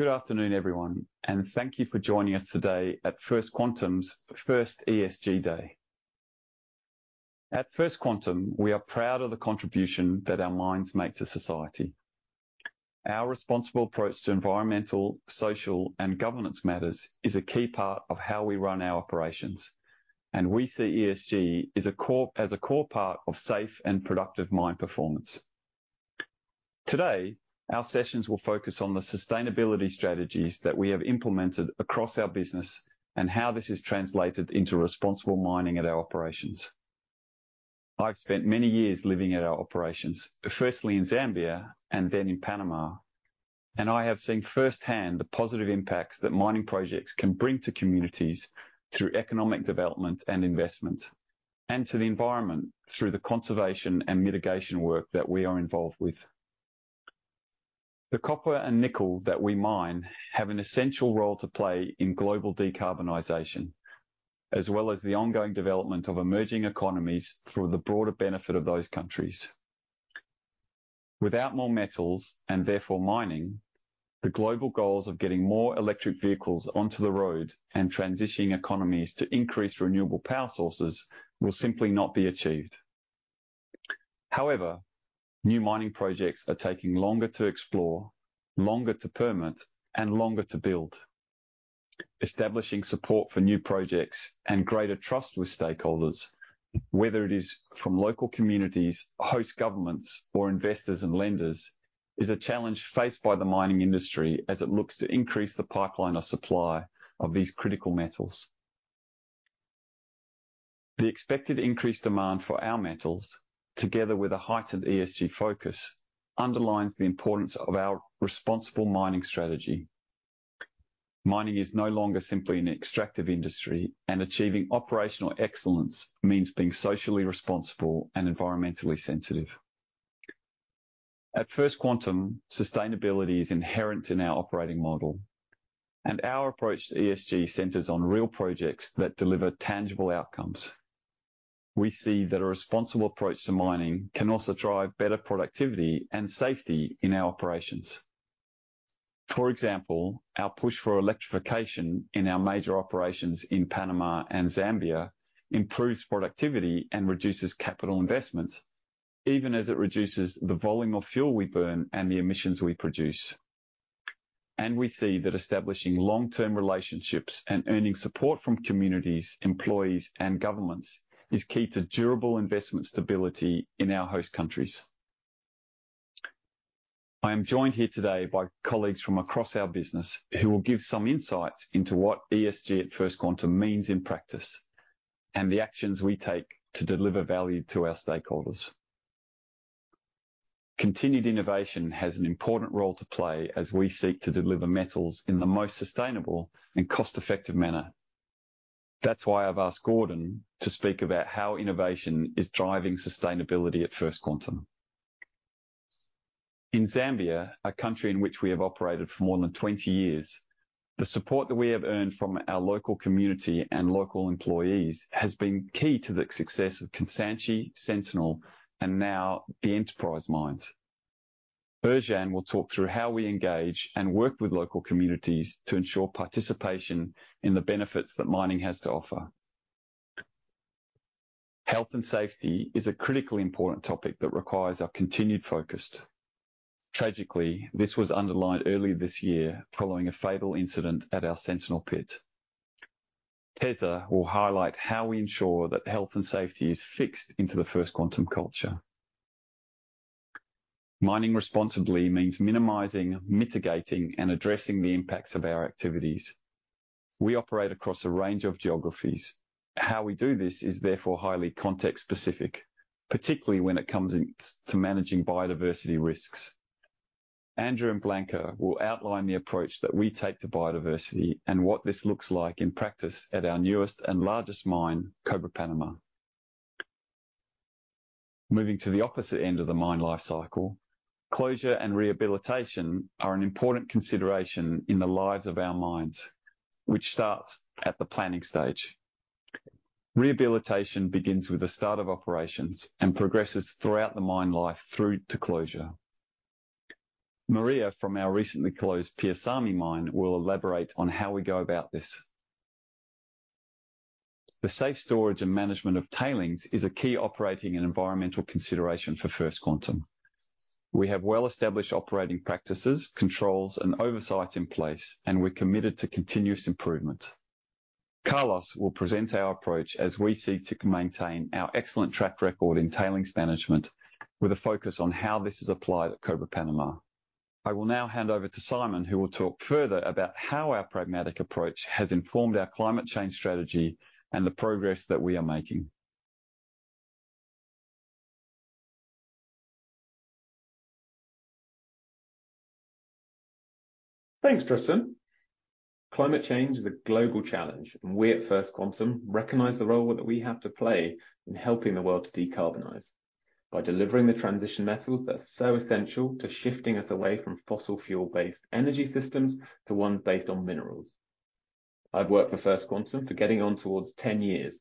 Good afternoon, everyone, thank you for joining us today at First Quantum's first ESG Day. At First Quantum, we are proud of the contribution that our mines make to society. Our responsible approach to environmental, social, and governance matters is a key part of how we run our operations, and we see ESG as a core part of safe and productive mine performance. Today, our sessions will focus on the sustainability strategies that we have implemented across our business and how this is translated into responsible mining at our operations. I've spent many years living at our operations, firstly in Zambia and then in Panamá, and I have seen firsthand the positive impacts that mining projects can bring to communities through economic development and investment, and to the environment through the conservation and mitigation work that we are involved with. The copper and nickel that we mine have an essential role to play in global decarbonization, as well as the ongoing development of emerging economies through the broader benefit of those countries. Without more metals, and therefore mining, the global goals of getting more electric vehicles onto the road and transitioning economies to increase renewable power sources will simply not be achieved. However, new mining projects are taking longer to explore, longer to permit, and longer to build. Establishing support for new projects and greater trust with stakeholders, whether it is from local communities, host governments, or investors and lenders, is a challenge faced by the mining industry as it looks to increase the pipeline of supply of these critical metals. The expected increased demand for our metals, together with a heightened ESG focus, underlines the importance of our responsible mining strategy. Mining is no longer simply an extractive industry, and achieving operational excellence means being socially responsible and environmentally sensitive. At First Quantum, sustainability is inherent in our operating model, and our approach to ESG centers on real projects that deliver tangible outcomes. We see that a responsible approach to mining can also drive better productivity and safety in our operations. For example, our push for electrification in our major operations in Panamá and Zambia improves productivity and reduces capital investment, even as it reduces the volume of fuel we burn and the emissions we produce. We see that establishing long-term relationships and earning support from communities, employees, and governments is key to durable investment stability in our host countries. I am joined here today by colleagues from across our business who will give some insights into what ESG at First Quantum means in practice, and the actions we take to deliver value to our stakeholders. Continued innovation has an important role to play as we seek to deliver metals in the most sustainable and cost-effective manner. That's why I've asked Gordon to speak about how innovation is driving sustainability at First Quantum. In Zambia, a country in which we have operated for more than 20 years, the support that we have earned from our local community and local employees has been key to the success of Kansanshi, Sentinel, and now the Enterprise mines. Ercan will talk through how we engage and work with local communities to ensure participation in the benefits that mining has to offer. Health and safety is a critically important topic that requires our continued focus. Tragically, this was underlined earlier this year following a fatal incident at our Sentinel pit. Teza will highlight how we ensure that health and safety is fixed into the First Quantum culture. Mining responsibly means minimizing, mitigating, and addressing the impacts of our activities. We operate across a range of geographies. How we do this is therefore highly context-specific, particularly when it comes to managing biodiversity risks. Andrew and Blanca will outline the approach that we take to biodiversity and what this looks like in practice at our newest and largest mine, Cobre Panamá. Moving to the opposite end of the mine life cycle, closure and rehabilitation are an important consideration in the lives of our mines, which starts at the planning stage. Rehabilitation begins with the start of operations and progresses throughout the mine life through to closure. Maria, from our recently closed Pyhäsalmi mine, will elaborate on how we go about this. The safe storage and management of tailings is a key operating and environmental consideration for First Quantum. We have well-established operating practices, controls, and oversight in place, and we're committed to continuous improvement. Carlos will present our approach as we seek to maintain our excellent track record in tailings management, with a focus on how this is applied at Cobre Panamá. I will now hand over to Simon, who will talk further about how our pragmatic approach has informed our climate change strategy and the progress that we are making. Thanks, Tristan. Climate change is a global challenge, and we at First Quantum recognize the role that we have to play in helping the world to decarbonize by delivering the transition metals that are so essential to shifting us away from fossil fuel-based energy systems to ones based on minerals. I've worked for First Quantum for getting on towards 10 years.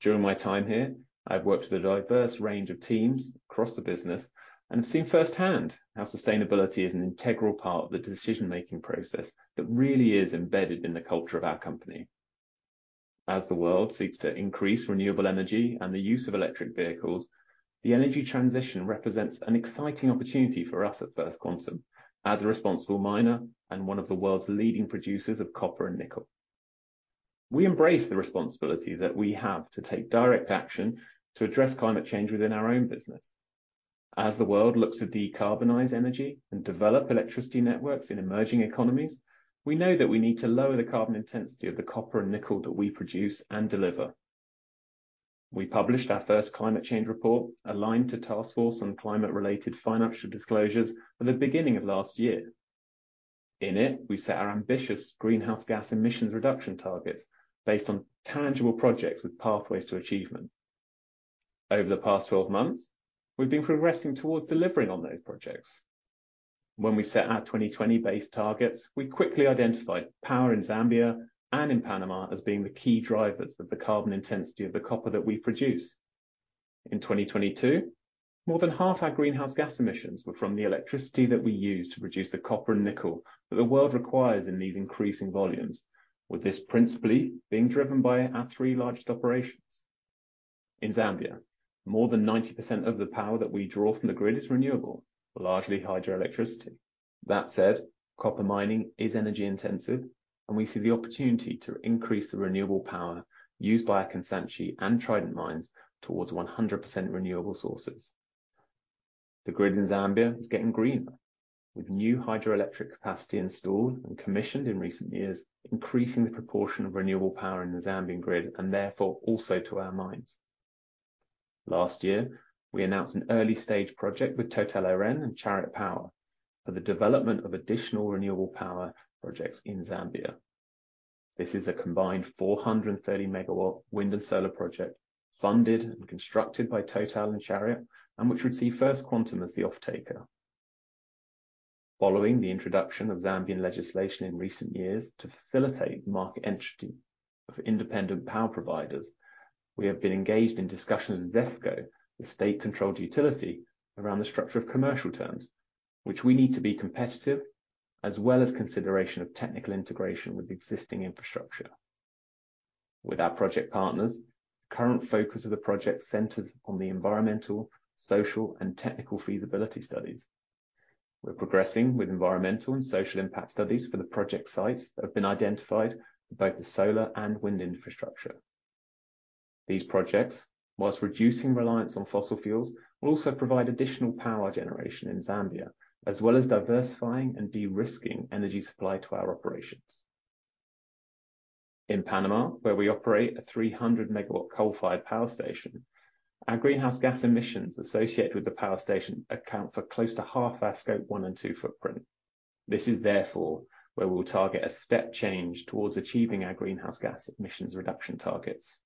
During my time here, I've worked with a diverse range of teams across the business and have seen firsthand how sustainability is an integral part of the decision-making process that really is embedded in the culture of our company. As the world seeks to increase renewable energy and the use of electric vehicles, the energy transition represents an exciting opportunity for us at First Quantum as a responsible miner and one of the world's leading producers of copper and nickel. We embrace the responsibility that we have to take direct action to address climate change within our own business. As the world looks to decarbonize energy and develop electricity networks in emerging economies, we know that we need to lower the carbon intensity of the copper and nickel that we produce and deliver. We published our first climate change report, Aligned to Task Force on Climate-related Financial Disclosures, at the beginning of last year. In it, we set our ambitious greenhouse gas emissions reduction targets based on tangible projects with pathways to achievement. Over the past 12 months, we've been progressing towards delivering on those projects. When we set our 2020 base targets, we quickly identified power in Zambia and in Panamá as being the key drivers of the carbon intensity of the copper that we produce. In 2022, more than half our greenhouse gas emissions were from the electricity that we use to produce the copper and nickel that the world requires in these increasing volumes, with this principally being driven by our three largest operations. In Zambia, more than 90% of the power that we draw from the grid is renewable, largely hydroelectricity. That said, copper mining is energy-intensive, and we see the opportunity to increase the renewable power used by Kansanshi and Trident Mines towards 100% renewable sources. The grid in Zambia is getting greener, with new hydroelectric capacity installed and commissioned in recent years, increasing the proportion of renewable power in the Zambian grid and therefore also to our mines. Last year, we announced an early-stage project with Total Eren and Chariot Power for the development of additional renewable power projects in Zambia. This is a combined 430 MW wind and solar project, funded and constructed by Total and Chariot, which would see First Quantum as the off-taker. Following the introduction of Zambian legislation in recent years to facilitate market entry for independent power providers, we have been engaged in discussions with ZESCO, the state-controlled utility, around the structure of commercial terms, which we need to be competitive, as well as consideration of technical integration with existing infrastructure. With our project partners, current focus of the project centers on the environmental, social, and technical feasibility studies. We're progressing with environmental and social impact studies for the project sites that have been identified for both the solar and wind infrastructure. These projects, while reducing reliance on fossil fuels, will also provide additional power generation in Zambia, as well as diversifying and de-risking energy supply to our operations. In Panamá, where we operate a 300 MW coal-fired power station, our greenhouse gas emissions associated with the power station account for close to half our Scope 1 and 2 footprint. This is therefore where we will target a step change towards achieving our greenhouse gas emissions reduction targets.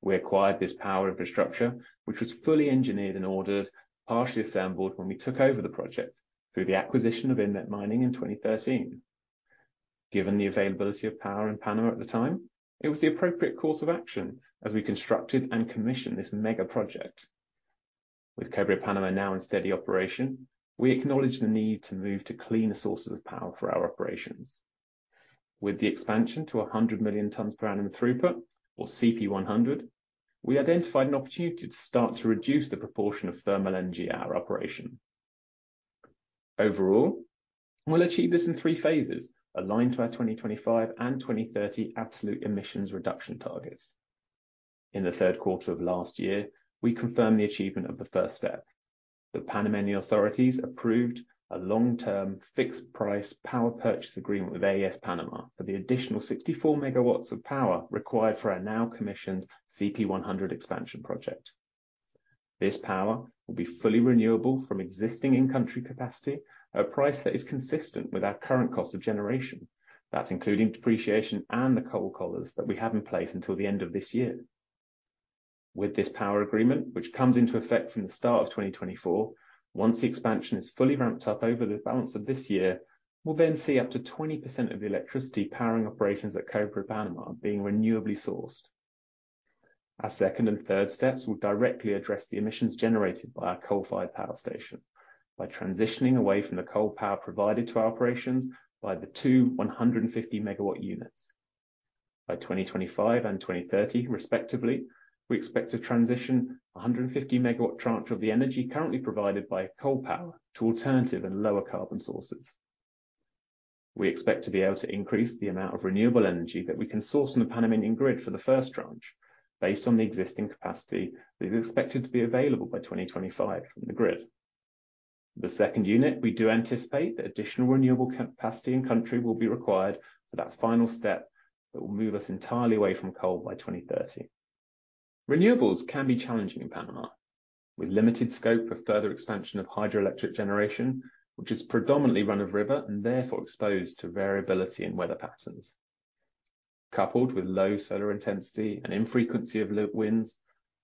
We acquired this power infrastructure, which was fully engineered and ordered, partially assembled when we took over the project through the acquisition of Inmet Mining in 2013. Given the availability of power in Panamá at the time, it was the appropriate course of action as we constructed and commissioned this mega project. With Cobre Panamá now in steady operation, we acknowledge the need to move to cleaner sources of power for our operations. With the expansion to 100 million tons per annum throughput, or CP100, we identified an opportunity to start to reduce the proportion of thermal energy at our operation. Overall, we'll achieve this in three phases, aligned to our 2025 and 2030 absolute emissions reduction targets. In the 3rd quarter of last year, we confirmed the achievement of the 1st step. The Panamánian authorities approved a long-term, fixed-price power purchase agreement with AES Panamá for the additional 64 megawatts of power required for our now commissioned CP100 expansion project. This power will be fully renewable from existing in-country capacity at a price that is consistent with our current cost of generation. That's including depreciation and the coal collars that we have in place until the end of this year. With this power agreement, which comes into effect from the start of 2024, once the expansion is fully ramped up over the balance of this year, we'll then see up to 20% of the electricity powering operations at Cobre Panamá being renewably sourced. Our second and third steps will directly address the emissions generated by our coal-fired power station by transitioning away from the coal power provided to our operations by the two 150 MW units. By 2025 and 2030, respectively, we expect to transition a 150 MW tranche of the energy currently provided by coal power to alternative and lower carbon sources. We expect to be able to increase the amount of renewable energy that we can source on the Panamánian grid for the first tranche based on the existing capacity that is expected to be available by 2025 from the grid. The second unit, we do anticipate that additional renewable capacity in country will be required for that final step that will move us entirely away from coal by 2030. Renewables can be challenging in Panamá, with limited scope for further expansion of hydroelectric generation, which is predominantly run-of-river and therefore exposed to variability in weather patterns. Coupled with low solar intensity and infrequency of low winds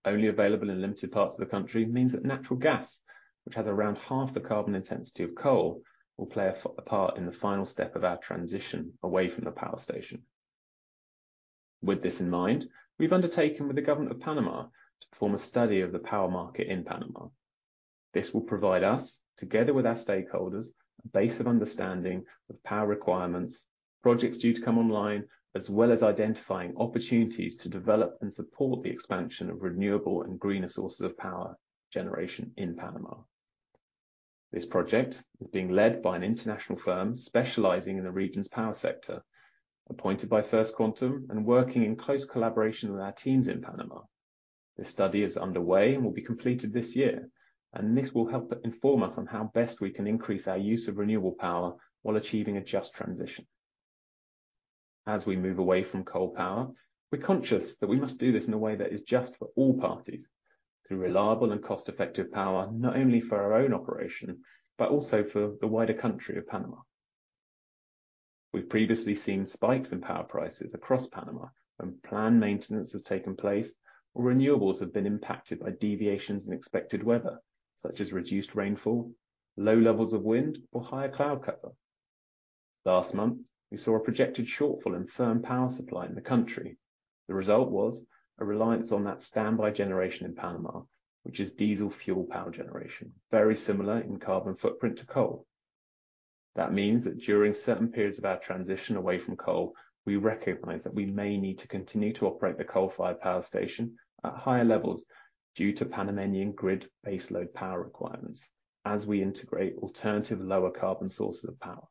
only available in limited parts of the country, means that natural gas, which has around half the carbon intensity of coal, will play a part in the final step of our transition away from the power station. With this in mind, we've undertaken with the Government of Panamá to perform a study of the power market in Panamá. This will provide us, together with our stakeholders, a base of understanding of power requirements, projects due to come online, as well as identifying opportunities to develop and support the expansion of renewable and greener sources of power generation in Panamá. This project is being led by an international firm specializing in the region's power sector, appointed by First Quantum, and working in close collaboration with our teams in Panamá. This study is underway and will be completed this year, this will help to inform us on how best we can increase our use of renewable power while achieving a just transition. As we move away from coal power, we're conscious that we must do this in a way that is just for all parties, through reliable and cost-effective power, not only for our own operation, but also for the wider country of Panamá. We've previously seen spikes in power prices across Panamá when planned maintenance has taken place, or renewables have been impacted by deviations in expected weather, such as reduced rainfall, low levels of wind, or higher cloud cover. Last month, we saw a projected shortfall in firm power supply in the country. The result was a reliance on that standby generation in Panamá, which is diesel fuel power generation, very similar in carbon footprint to coal. That means that during certain periods of our transition away from coal, we recognize that we may need to continue to operate the coal-fired power station at higher levels due to Panamánian grid baseload power requirements as we integrate alternative, lower carbon sources of power.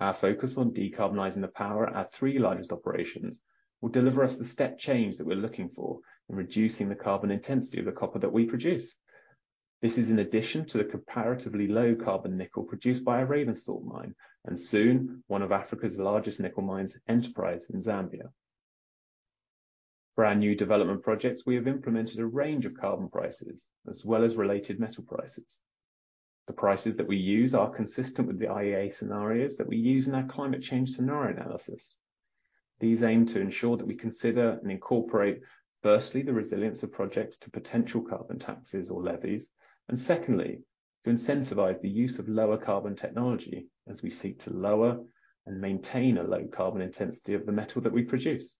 Our focus on decarbonizing the power at our three largest operations will deliver us the step change that we're looking for in reducing the carbon intensity of the copper that we produce. This is in addition to the comparatively low carbon nickel produced by our Ravensthorpe mine, and soon, one of Africa's largest nickel mines, Enterprise in Zambia. For our new development projects, we have implemented a range of carbon prices, as well as related metal prices. The prices that we use are consistent with the IEA scenarios that we use in our climate change scenario analysis. For our new development projects, we have implemented a range of carbon prices, as well as related metal prices. The prices that we use are consistent with the IEA scenarios that we use in our climate change scenario analysis. These aim to ensure that we consider and incorporate, firstly, the resilience of projects to potential carbon taxes or levies, and secondly, to incentivize the use of lower carbon technology as we seek to lower and maintain a low carbon intensity of the metal that we produce.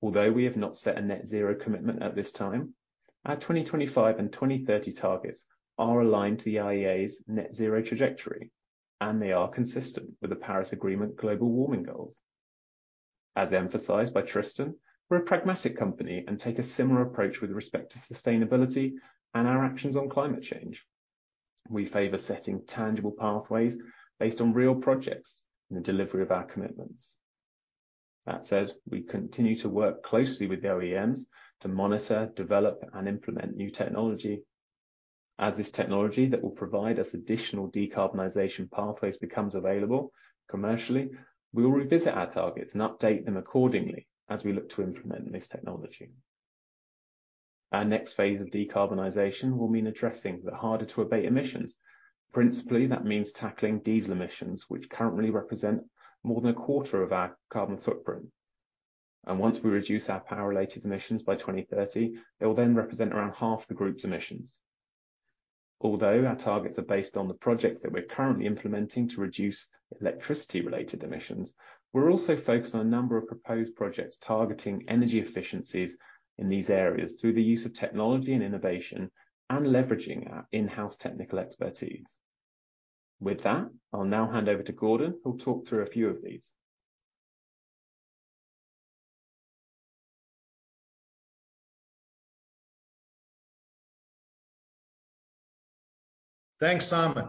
Although we have not set a net zero commitment at this time, our 2025 and 2030 targets are aligned to the IEA's Net Zero trajectory, and they are consistent with the Paris Agreement global warming goals. As emphasized by Tristan, we're a pragmatic company and take a similar approach with respect to sustainability and our actions on climate change. We favor setting tangible pathways based on real projects and the delivery of our commitments. That said, we continue to work closely with the OEMs to monitor, develop, and implement new technology. As this technology that will provide us additional decarbonization pathways becomes available commercially, we will revisit our targets and update them accordingly as we look to implement this technology. Our next phase of decarbonization will mean addressing the harder to abate emissions. Principally, that means tackling diesel emissions, which currently represent more than a quarter of our carbon footprint, and once we reduce our power-related emissions by 2030, it will then represent around half the group's emissions. Although our targets are based on the projects that we're currently implementing to reduce electricity-related emissions, we're also focused on a number of proposed projects targeting energy efficiencies in these areas through the use of technology and innovation, and leveraging our in-house technical expertise. With that, I'll now hand over to Gordon, who'll talk through a few of these. Thanks, Simon.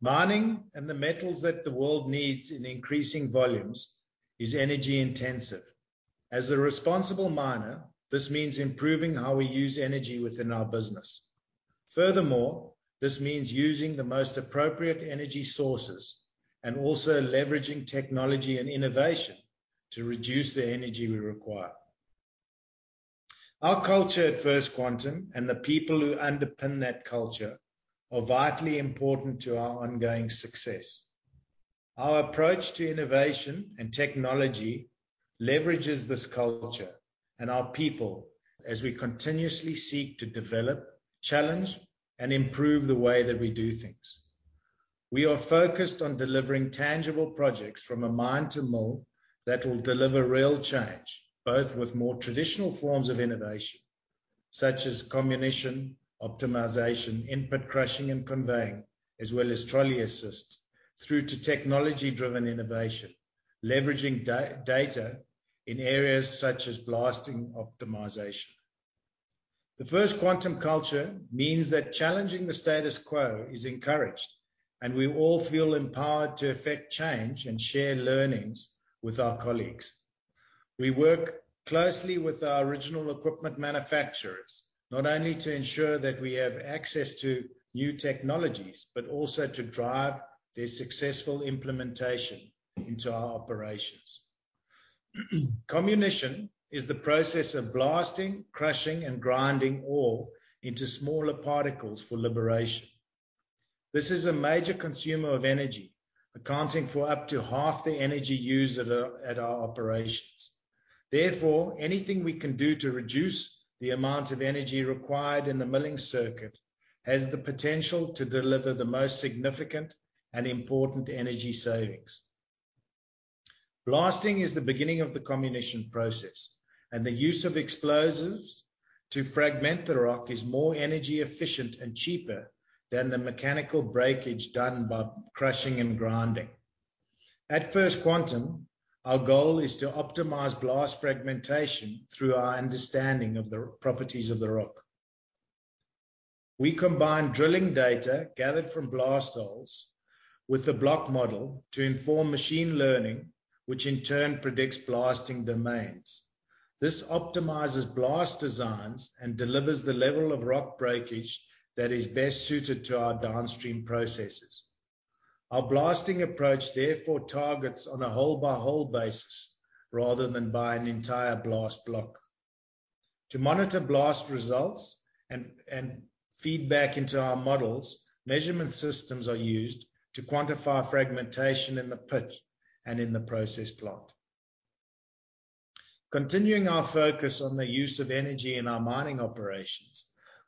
Mining and the metals that the world needs in increasing volumes is energy intensive. As a responsible miner, this means improving how we use energy within our business. Furthermore, this means using the most appropriate energy sources and also leveraging technology and innovation to reduce the energy we require. Our culture at First Quantum, and the people who underpin that culture, are vitally important to our ongoing success. Our approach to innovation and technology leverages this culture and our people as we continuously seek to develop, challenge, and improve the way that we do things. We are focused on delivering tangible projects from a mine to mill that will deliver real change, both with more traditional forms of innovation, such as comminution, optimization, in-pit crushing and conveying, as well as trolley-assist, through to technology-driven innovation, leveraging data in areas such as blasting optimization. The First Quantum culture means that challenging the status quo is encouraged, and we all feel empowered to effect change and share learnings with our colleagues. We work closely with our original equipment manufacturers, not only to ensure that we have access to new technologies, but also to drive their successful implementation into our operations. Comminution is the process of blasting, crushing, and grinding ore into smaller particles for liberation. This is a major consumer of energy, accounting for up to half the energy used at our operations. Therefore, anything we can do to reduce the amount of energy required in the milling circuit has the potential to deliver the most significant and important energy savings. Blasting is the beginning of the comminution process, and the use of explosives to fragment the rock is more energy efficient and cheaper than the mechanical breakage done by crushing and grinding. At First Quantum, our goal is to optimize blast fragmentation through our understanding of the properties of the rock. We combine drilling data gathered from blast holes with the block model to inform machine learning, which in turn predicts blasting domains. This optimizes blast designs and delivers the level of rock breakage that is best suited to our downstream processes. Our blasting approach therefore targets on a hole-by-hole basis, rather than by an entire blast block. To monitor blast results and feedback into our models, measurement systems are used to quantify fragmentation in the pit and in the process plant. Continuing our focus on the use of energy in our mining operations,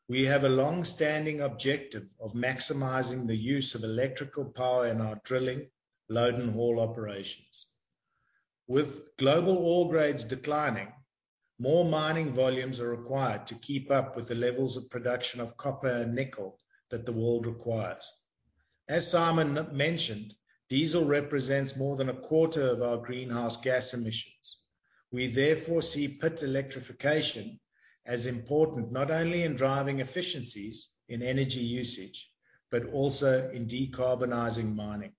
we have a long-standing objective of maximizing the use of electrical power in our drilling, load and haul operations. With global ore grades declining, more mining volumes are required to keep up with the levels of production of copper and nickel that the world requires. As Simon mentioned, diesel represents more than a quarter of our greenhouse gas emissions. We therefore see pit electrification as important, not only in driving efficiencies in energy usage, but also in decarbonizing mining.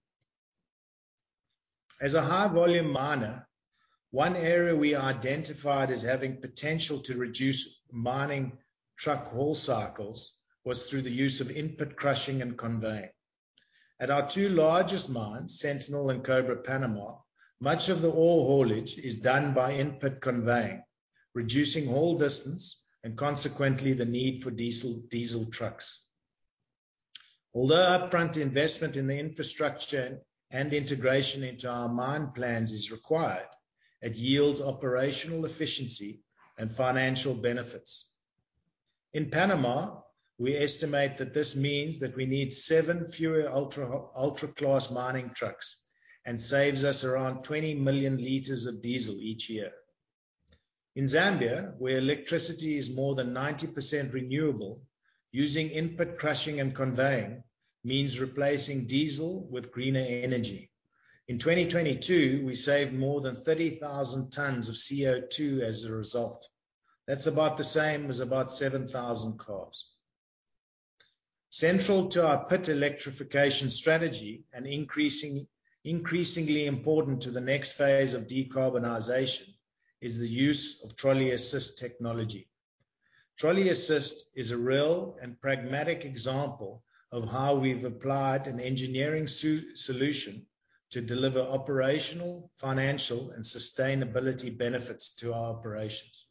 As a high-volume miner, one area we identified as having potential to reduce mining truck haul cycles was through the use of in-pit crushing and conveying. At our two largest mines, Sentinel and Cobre Panamá, much of the ore haulage is done by in-pit conveying, reducing haul distance and consequently, the need for diesel trucks. Although upfront investment in the infrastructure and integration into our mine plans is required, it yields operational efficiency and financial benefits. In Panamá, we estimate that this means that we need seven fewer ultra-class mining trucks and saves us around 20 million liters of diesel each year. In Zambia, where electricity is more than 90% renewable, using in-pit crushing and conveying means replacing diesel with greener energy. In 2022, we saved more than 30,000 tons of CO2 as a result. That's about the same as about 7,000 cars. Central to our pit electrification strategy and increasingly important to the next phase of decarbonization is the use of trolley-assist technology. Trolley assist is a real and pragmatic example of how we've applied an engineering solution to deliver operational, financial, and sustainability benefits to our operations.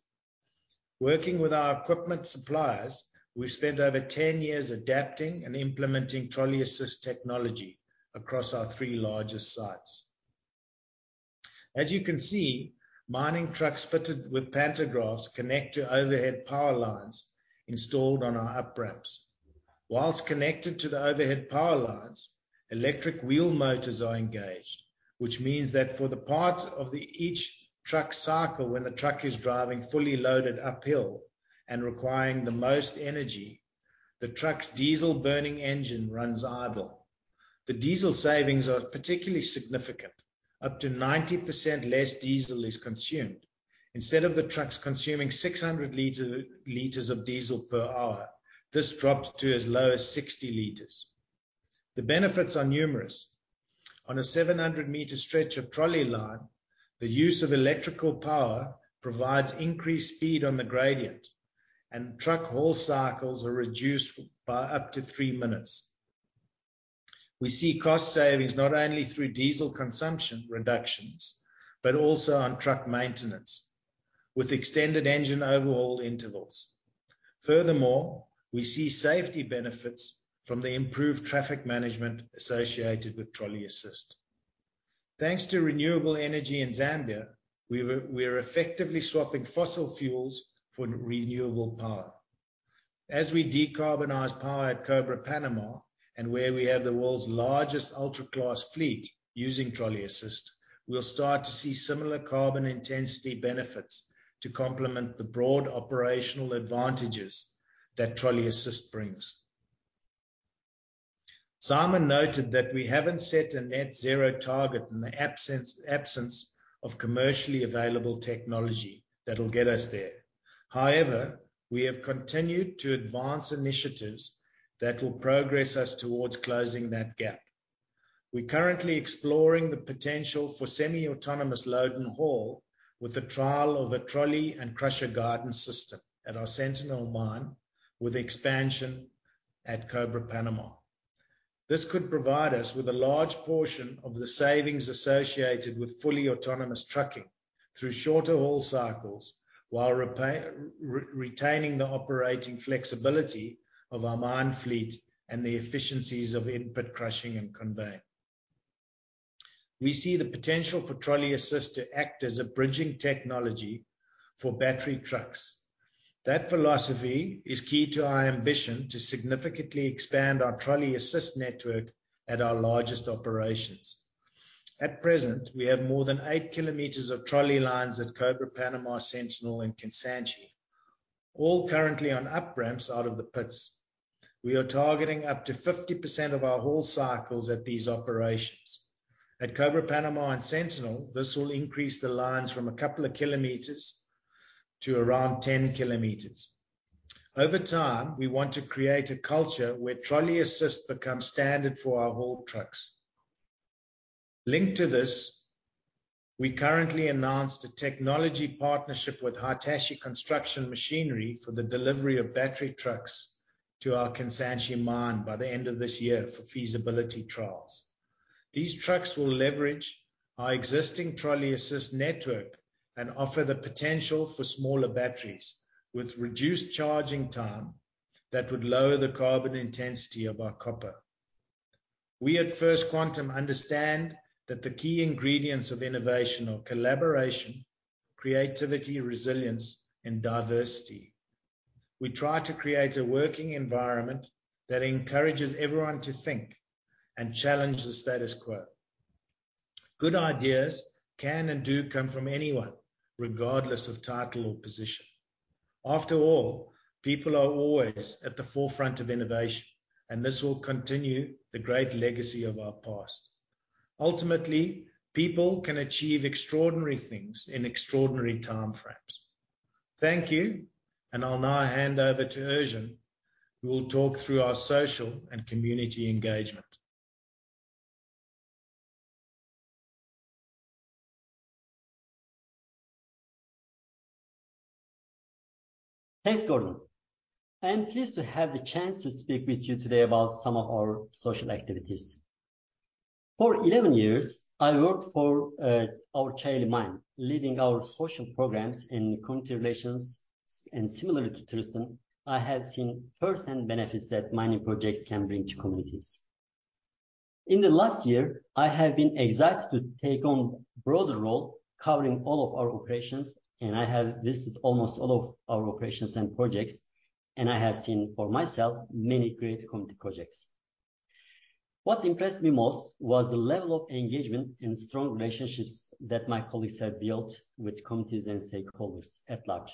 Working with our equipment suppliers, we've spent over 10 years adapting and implementing trolley-assist technology across our three largest sites. As you can see, mining trucks fitted with pantographs connect to overhead power lines installed on our up ramps. Whilst connected to the overhead power lines, electric wheel motors are engaged, which means that for the part of the each truck's cycle, when the truck is driving fully loaded uphill and requiring the most energy, the truck's diesel burning engine runs idle. The diesel savings are particularly significant. Up to 90% less diesel is consumed. Instead of the trucks consuming 600L of diesel per hour, this drops to as low as 60L. The benefits are numerous. On a 700-meter stretch of trolley line, the use of electrical power provides increased speed on the gradient, and truck haul cycles are reduced by up to three minutes. We see cost savings not only through diesel consumption reductions, but also on truck maintenance with extended engine overhaul intervals. Furthermore, we see safety benefits from the improved traffic management associated with trolley-assist. Thanks to renewable energy in Zambia, we are effectively swapping fossil fuels for renewable power. As we decarbonize power at Cobre Panamá, and where we have the world's largest ultra-class fleet using trolley-assist, we'll start to see similar carbon intensity benefits to complement the broad operational advantages that trolley-assist brings. Simon noted that we haven't set a net zero target in the absence of commercially available technology that will get us there. However, we have continued to advance initiatives that will progress us towards closing that gap. We're currently exploring the potential for semi-autonomous load and haul with the trial of a trolley and crusher guidance system at our Sentinel mine, with expansion at Cobre Panamá. This could provide us with a large portion of the savings associated with fully autonomous trucking through shorter haul cycles, while retaining the operating flexibility of our mine fleet and the efficiencies of in-pit crushing and conveying. We see the potential for trolley-assist to act as a bridging technology for battery trucks. That philosophy is key to our ambition to significantly expand our trolley-assist network at our largest operations. At present, we have more than 8 km of trolley lines at Cobre Panamá, Sentinel, and Kansanshi, all currently on up ramps out of the pits. We are targeting up to 50% of our haul cycles at these operations. At Cobre Panamá and Sentinel, this will increase the lines from a couple of kilometers to around 10 km. Over time, we want to create a culture where trolley-assist becomes standard for our haul trucks. Linked to this, we currently announced a technology partnership with Hitachi Construction Machinery for the delivery of battery trucks to our Kansanshi mine by the end of this year for feasibility trials. These trucks will leverage our existing trolley-assist network and offer the potential for smaller batteries, with reduced charging time that would lower the carbon intensity of our copper. We at First Quantum understand that the key ingredients of innovation are collaboration, creativity, resilience, and diversity. We try to create a working environment that encourages everyone to think and challenge the status quo. Good ideas can and do come from anyone, regardless of title or position. After all, people are always at the forefront of innovation. This will continue the great legacy of our past. Ultimately, people can achieve extraordinary things in extraordinary time frames. Thank you. I'll now hand over to Ercan, who will talk through our social and community engagement. Thanks, Gordon. I am pleased to have the chance to speak with you today about some of our social activities. For 11 years, I worked for our Çayeli mine, leading our social programs and community relations. Similarly to Tristan, I have seen firsthand benefits that mining projects can bring to communities. In the last year, I have been excited to take on a broader role covering all of our operations. I have visited almost all of our operations and projects. I have seen for myself many great community projects. What impressed me most was the level of engagement and strong relationships that my colleagues have built with communities and stakeholders at large.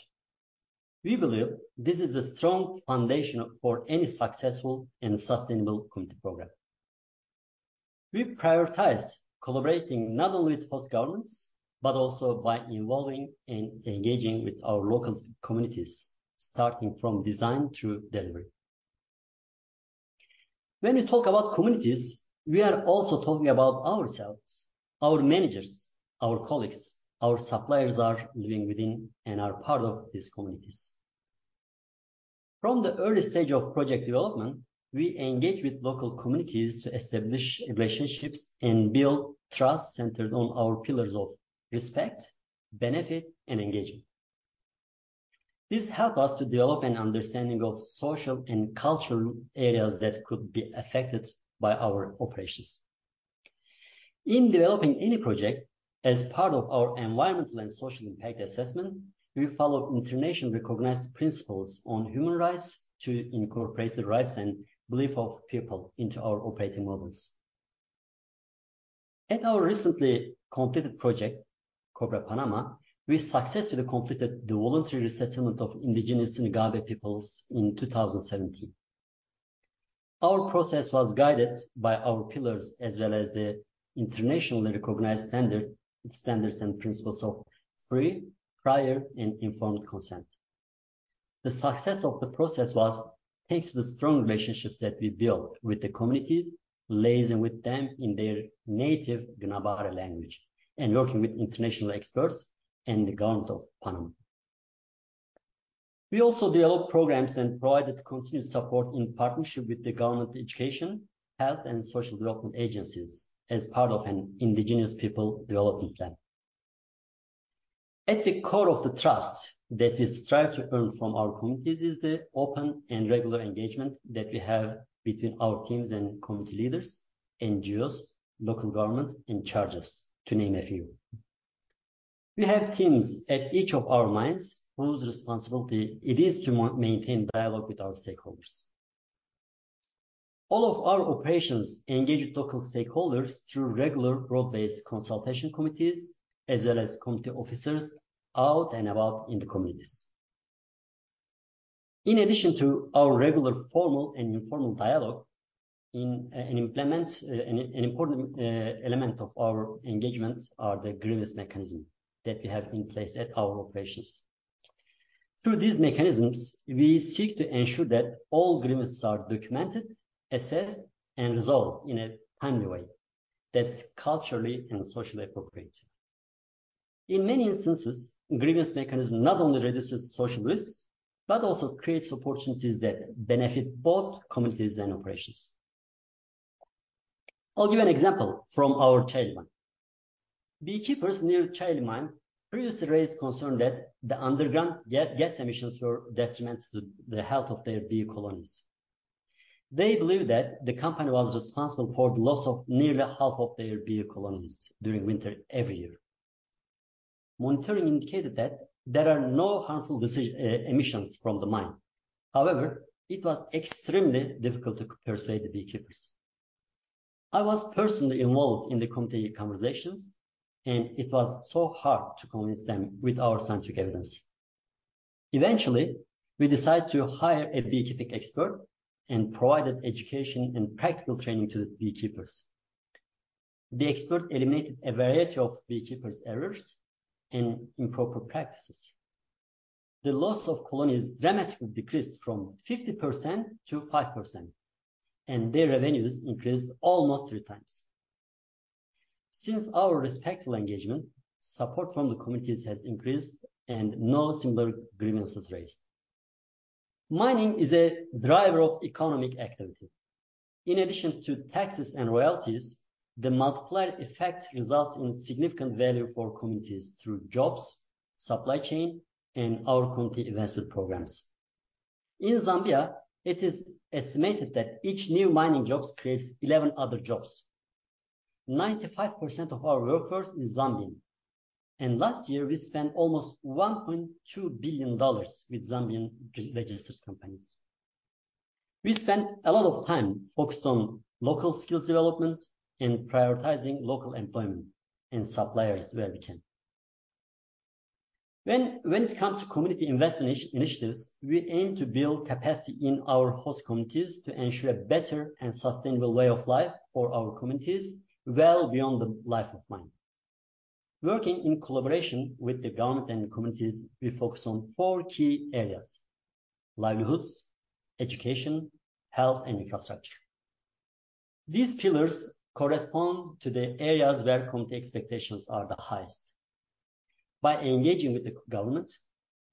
We believe this is a strong foundation for any successful and sustainable community program. We prioritize collaborating not only with host governments, but also by involving and engaging with our local communities, starting from design through delivery. When we talk about communities, we are also talking about ourselves, our managers, our colleagues. Our suppliers are living within and are part of these communities. From the early stage of project development, we engage with local communities to establish relationships and build trust centered on our pillars of respect, benefit, and engagement. This help us to develop an understanding of social and cultural areas that could be affected by our operations. In developing any project, as part of our Environmental and Social Impact Assessment, we follow internationally recognized principles on human rights to incorporate the rights and belief of people into our operating models. At our recently completed project, Cobre Panamá, we successfully completed the voluntary resettlement of indigenous Ngäbe peoples in 2017. Our process was guided by our pillars, as well as the internationally recognized standards and principles of Free, Prior, and Informed Consent. The success of the process was thanks to the strong relationships that we built with the communities, liaising with them in their native Ngäbere language and working with international experts and the government of Panamá. We also developed programs and provided continued support in partnership with the government, education, health, and social development agencies as part of an indigenous people development plan. At the core of the trust that we strive to earn from our communities is the open and regular engagement that we have between our teams and community leaders, NGOs, local government, and churches, to name a few. We have teams at each of our mines whose responsibility it is to maintain dialogue with our stakeholders. All of our operations engage with local stakeholders through regular broad-based consultation committees, as well as community officers out and about in the communities. In addition to our regular, formal and informal dialogue, an important element of our engagement are the grievance mechanism that we have in place at our operations. Through these mechanisms, we seek to ensure that all grievances are documented, assessed, and resolved in a timely way that's culturally and socially appropriate. In many instances, grievance mechanism not only reduces social risks, but also creates opportunities that benefit both communities and operations. I'll give an example from our Çayeli mine. Beekeepers near Çayeli mine previously raised concern that the underground gas emissions were detriment to the health of their bee colonies. They believed that the company was responsible for the loss of nearly half of their bee colonies during winter every year. Monitoring indicated that there are no harmful decision, emissions from the mine. However, it was extremely difficult to persuade the beekeepers. I was personally involved in the community conversations, and it was so hard to convince them with our scientific evidence. Eventually, we decided to hire a beekeeping expert and provided education and practical training to the beekeepers. The expert eliminated a variety of beekeepers' errors and improper practices. The loss of colonies dramatically decreased from 50% to 5%, and their revenues increased almost three times. Since our respectful engagement, support from the communities has increased, and no similar grievances raised. Mining is a driver of economic activity. In addition to taxes and royalties, the multiplier effect results in significant value for communities through jobs, supply chain, and our community investment programs. In Zambia, it is estimated that each new mining jobs creates 11 other jobs. 95% of our workforce is Zambian, and last year we spent almost $1.2 billion with Zambian registered companies. When it comes to community investment initiatives, we aim to build capacity in our host communities to ensure a better and sustainable way of life for our communities well beyond the life of mine. Working in collaboration with the government and the communities, we focus on four key areas: livelihoods, education, health, and infrastructure. These pillars correspond to the areas where community expectations are the highest. By engaging with the government,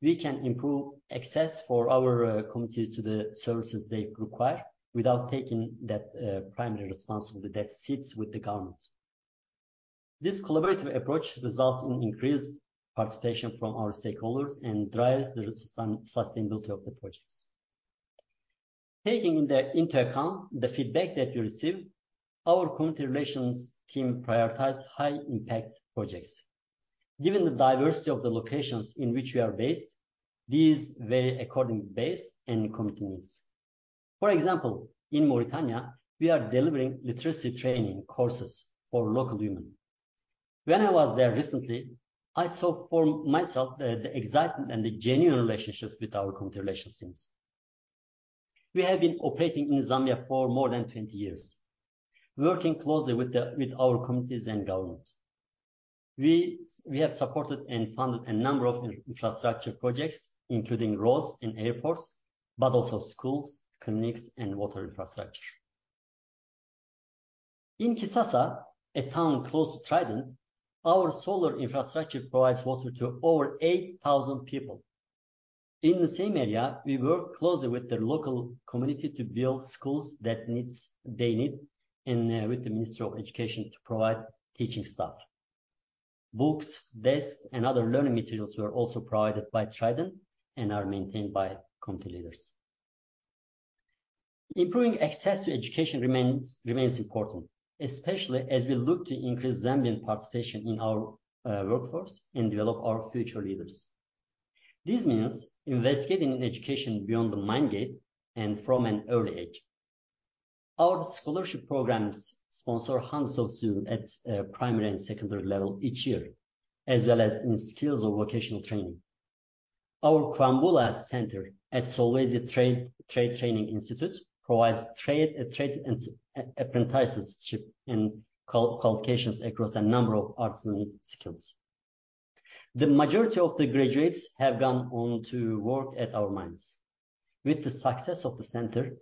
we can improve access for our communities to the services they require without taking that primary responsibility that sits with the government. This collaborative approach results in increased participation from our stakeholders and drives the sustainability of the projects. Taking into account the feedback that we receive, our community relations team prioritize high-impact projects. Given the diversity of the locations in which we are based, these vary according to base and community needs. For example, in Mauritania, we are delivering literacy training courses for local women. When I was there recently, I saw for myself, the excitement and the genuine relationships with our community relations teams. We have been operating in Zambia for more than 20 years, working closely with our communities and government. We have supported and funded a number of infrastructure projects, including roads and airports, but also schools, clinics and water infrastructure. In Kisasa, a town close to Trident, our solar infrastructure provides water to over 8,000 people. In the same area, we work closely with the local community to build schools that they need, with the Ministry of Education to provide teaching staff. Books, desks, and other learning materials were also provided by Trident and are maintained by community leaders. Improving access to education remains important, especially as we look to increase Zambian participation in our workforce and develop our future leaders. This means investing in education beyond the mine gate and from an early age. Our scholarship programs sponsor hundreds of students at primary and secondary level each year, as well as in skills or vocational training. Our Kwambula Center at Solwezi Trades Training Institute provides trade and apprenticeships and qualifications across a number of artisan skills. The majority of the graduates have gone on to work at our mines. With the success of the center,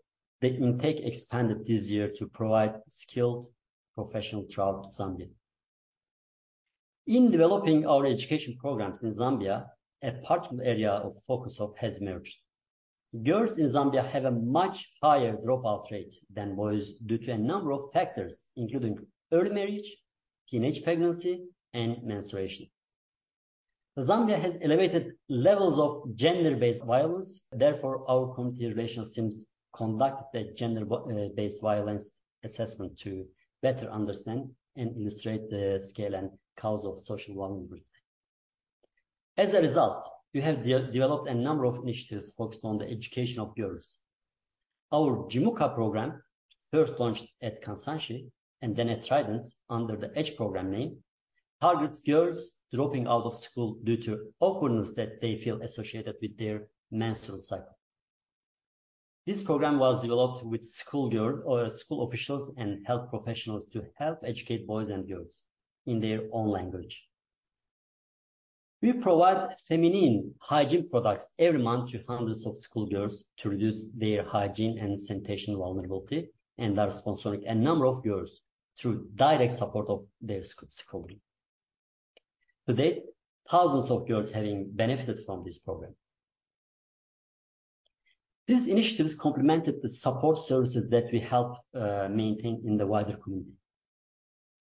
the intake expanded this year to provide skilled professional talent to Zambia. In developing our education programs in Zambia, a particular area of focus of has emerged. Girls in Zambia have a much higher dropout rate than boys due to a number of factors, including early marriage, teenage pregnancy, and menstruation. Zambia has elevated levels of gender-based violence. Our community relations teams conduct the gender-based violence assessment to better understand and illustrate the scale and cause of social vulnerability. We have developed a number of initiatives focused on the education of girls. Our Jimuka! program, first launched at Kansanshi and then at Trident under the EDGE program name, targets girls dropping out of school due to awkwardness that they feel associated with their menstrual cycle. This program was developed with school girl, or school officials and health professionals to help educate boys and girls in their own language. We provide feminine hygiene products every month to hundreds of school girls to reduce their hygiene and sanitation vulnerability, and are sponsoring a number of girls through direct support of their schooling. To date, thousands of girls have benefited from this program. These initiatives complemented the support services that we help maintain in the wider community.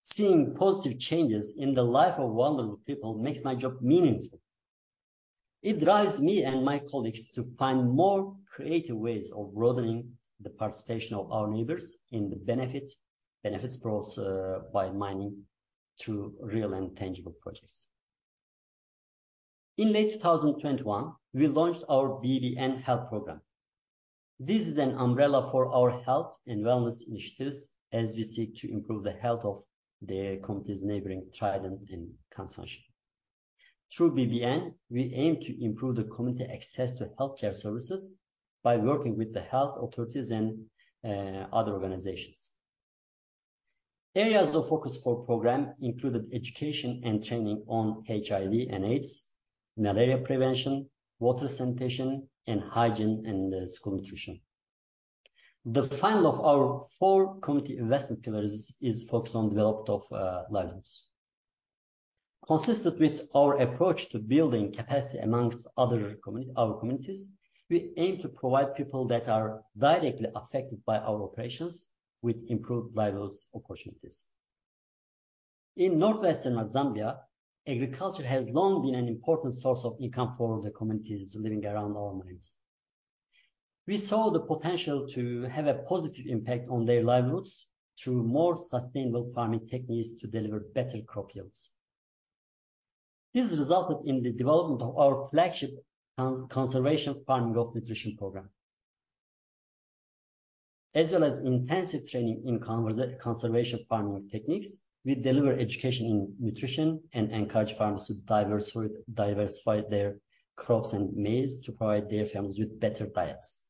Seeing positive changes in the life of vulnerable people makes my job meaningful. It drives me and my colleagues to find more creative ways of broadening the participation of our neighbors in the benefits brought by mining through real and tangible projects. In late 2021, we launched our BBN Health Program. This is an umbrella for our health and wellness initiatives as we seek to improve the health of the company's neighboring Trident and Kansanshi. Through BBN, we aim to improve the community access to healthcare services by working with the health authorities and other organizations. Areas of focus for program included education and training on HIV and AIDS, malaria prevention, water sanitation, and hygiene, and school nutrition. The final of our four community investment pillars is focused on development of livelihoods. Consistent with our approach to building capacity amongst our communities, we aim to provide people that are directly affected by our operations with improved livelihoods opportunities. In northwestern Zambia, agriculture has long been an important source of income for the communities living around our mines. We saw the potential to have a positive impact on their livelihoods through more sustainable farming techniques to deliver better crop yields. This resulted in the development of our flagship conservation farming of nutrition program. As well as intensive training in conservation farming techniques, we deliver education in nutrition and encourage farmers to diversify their crops and maize to provide their families with better diets.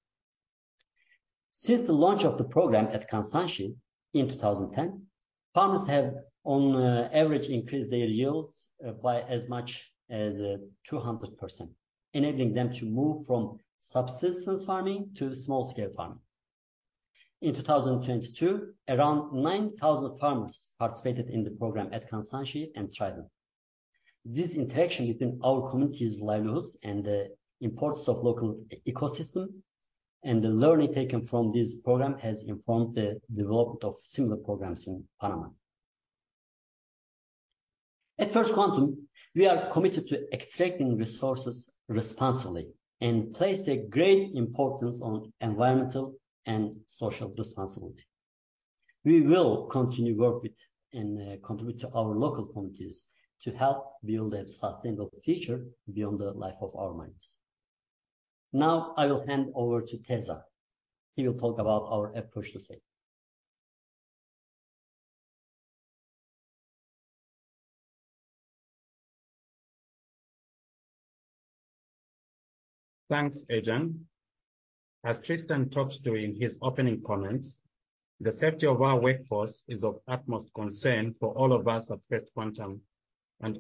Since the launch of the program at Kansanshi in 2010, farmers have, on average, increased their yields by as much as 200%, enabling them to move from subsistence farming to small-scale farming. In 2022, around 9,000 farmers participated in the program at Kansanshi and Trident. This interaction between our communities' livelihoods and the importance of local ecosystem and the learning taken from this program has informed the development of similar programs in Panamá. At First Quantum, we are committed to extracting resources responsibly and place a great importance on environmental and social responsibility. We will continue work with and contribute to our local communities to help build a sustainable future beyond the life of our mines. I will hand over to Teza. He will talk about our approach to safety. Thanks, Ercan. As Tristan talked to in his opening comments, the safety of our workforce is of utmost concern for all of us at First Quantum.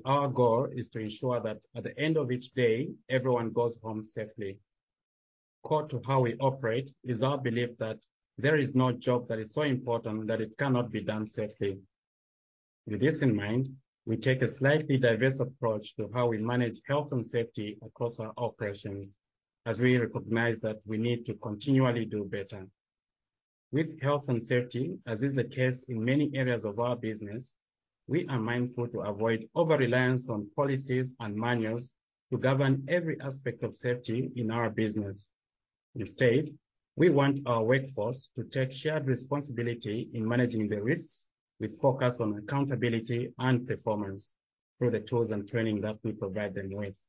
Our goal is to ensure that at the end of each day, everyone goes home safely. Core to how we operate is our belief that there is no job that is so important that it cannot be done safely. With this in mind, we take a slightly diverse approach to how we manage health and safety across our operations, as we recognize that we need to continually do better. With health and safety, as is the case in many areas of our business, we are mindful to avoid over-reliance on policies and manuals to govern every aspect of safety in our business. Instead, we want our workforce to take shared responsibility in managing the risks, with focus on accountability and performance through the tools and training that we provide them with.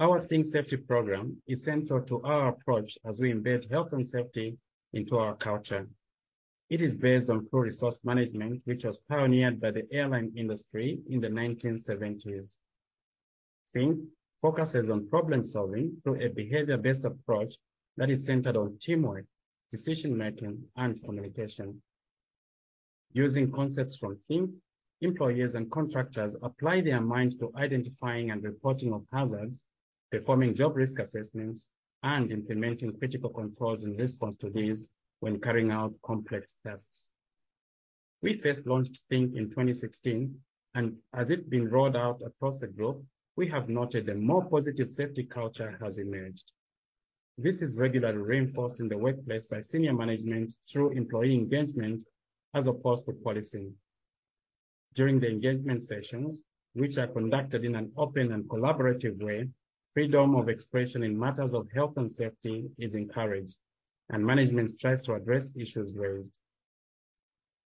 Our THINK! Safety program is central to our approach as we embed health and safety into our culture. It is based on Crew Resource Management, which was pioneered by the airline industry in the 1970s. THINK! focuses on problem-solving through a behavior-based approach that is centered on teamwork, decision-making, and communication. Using concepts from THINK! employees and contractors apply their minds to identifying and reporting of hazards, performing job risk assessments, and implementing critical controls in response to these when carrying out complex tasks. We first launched THINK! in 2016. As it's been rolled out across the globe, we have noted a more positive safety culture has emerged. This is regularly reinforced in the workplace by senior management through employee engagement as opposed to policy. During the engagement sessions, which are conducted in an open and collaborative way, freedom of expression in matters of health and safety is encouraged, and management strives to address issues raised.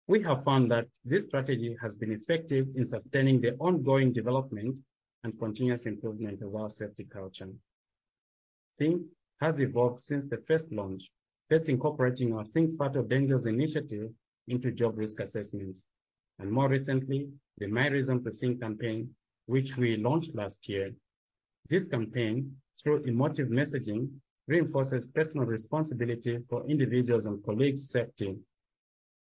We have found that this strategy has been effective in sustaining the ongoing development and continuous improvement of our safety culture. THINK! has evolved since the first launch, first incorporating our THINK! Fatal Dangers initiative into job risk assessments, and more recently, the My Reason to THINK! campaign, which we launched last year. This campaign, through emotive messaging, reinforces personal responsibility for individuals' and colleagues' safety.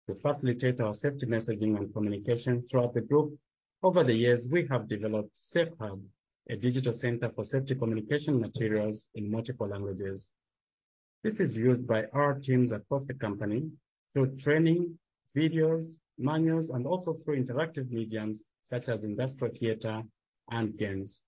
To facilitate our safety messaging and communication throughout the group, over the years, we have developed SafeHub, a digital center for safety communication materials in multiple languages. This is used by our teams across the company through training, videos, manuals, and also through interactive mediums such as industrial theater and games.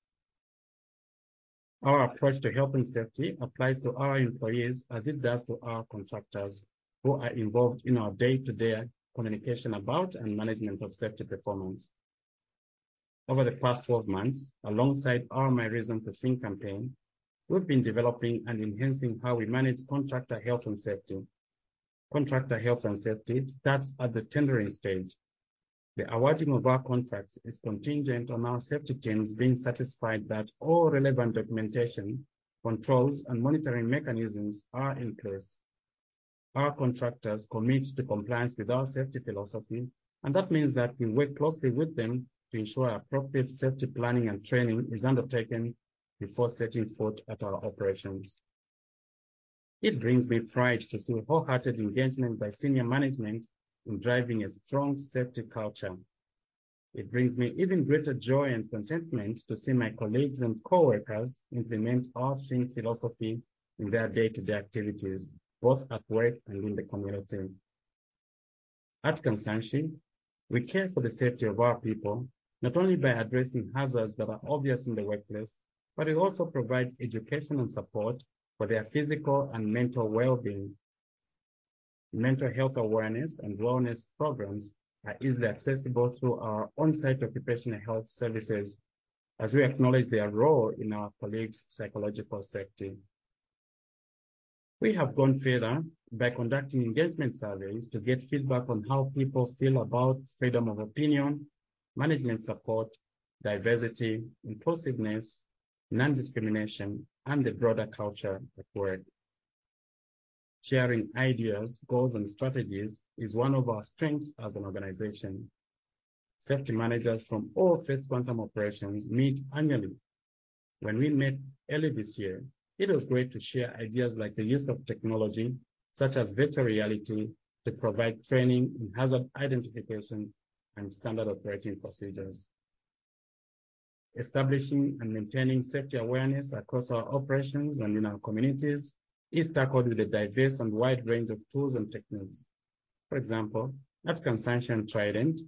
Our approach to health and safety applies to our employees as it does to our contractors who are involved in our day-to-day communication about and management of safety performance. Over the past 12 months, alongside our My Reason to THINK! campaign, we've been developing and enhancing how we manage contractor health and safety. Contractor health and safety starts at the tendering stage. The awarding of our contracts is contingent on our safety teams being satisfied that all relevant documentation, controls, and monitoring mechanisms are in place. Our contractors commit to compliance with our safety philosophy, and that means that we work closely with them to ensure appropriate safety planning and training is undertaken before setting foot at our operations. It brings me pride to see wholehearted engagement by senior management in driving a strong safety culture. It brings me even greater joy and contentment to see my colleagues and coworkers implement our THINK! philosophy in their day-to-day activities, both at work and in the community. At Kansanshi, we care for the safety of our people, not only by addressing hazards that are obvious in the workplace, but we also provide educational support for their physical and mental well-being. Mental health awareness and wellness programs are easily accessible through our on-site occupational health services as we acknowledge their role in our colleagues' psychological safety. We have gone further by conducting engagement surveys to get feedback on how people feel about freedom of opinion, management support, diversity, inclusiveness, non-discrimination, and the broader culture at work. Sharing ideas, goals, and strategies is one of our strengths as an organization. Safety managers from all First Quantum operations meet annually. When we met early this year, it was great to share ideas like the use of technology, such as virtual reality, to provide training in hazard identification and standard operating procedures. Establishing and maintaining safety awareness across our operations and in our communities is tackled with a diverse and wide range of tools and techniques. For example, at Kansanshi and Trident,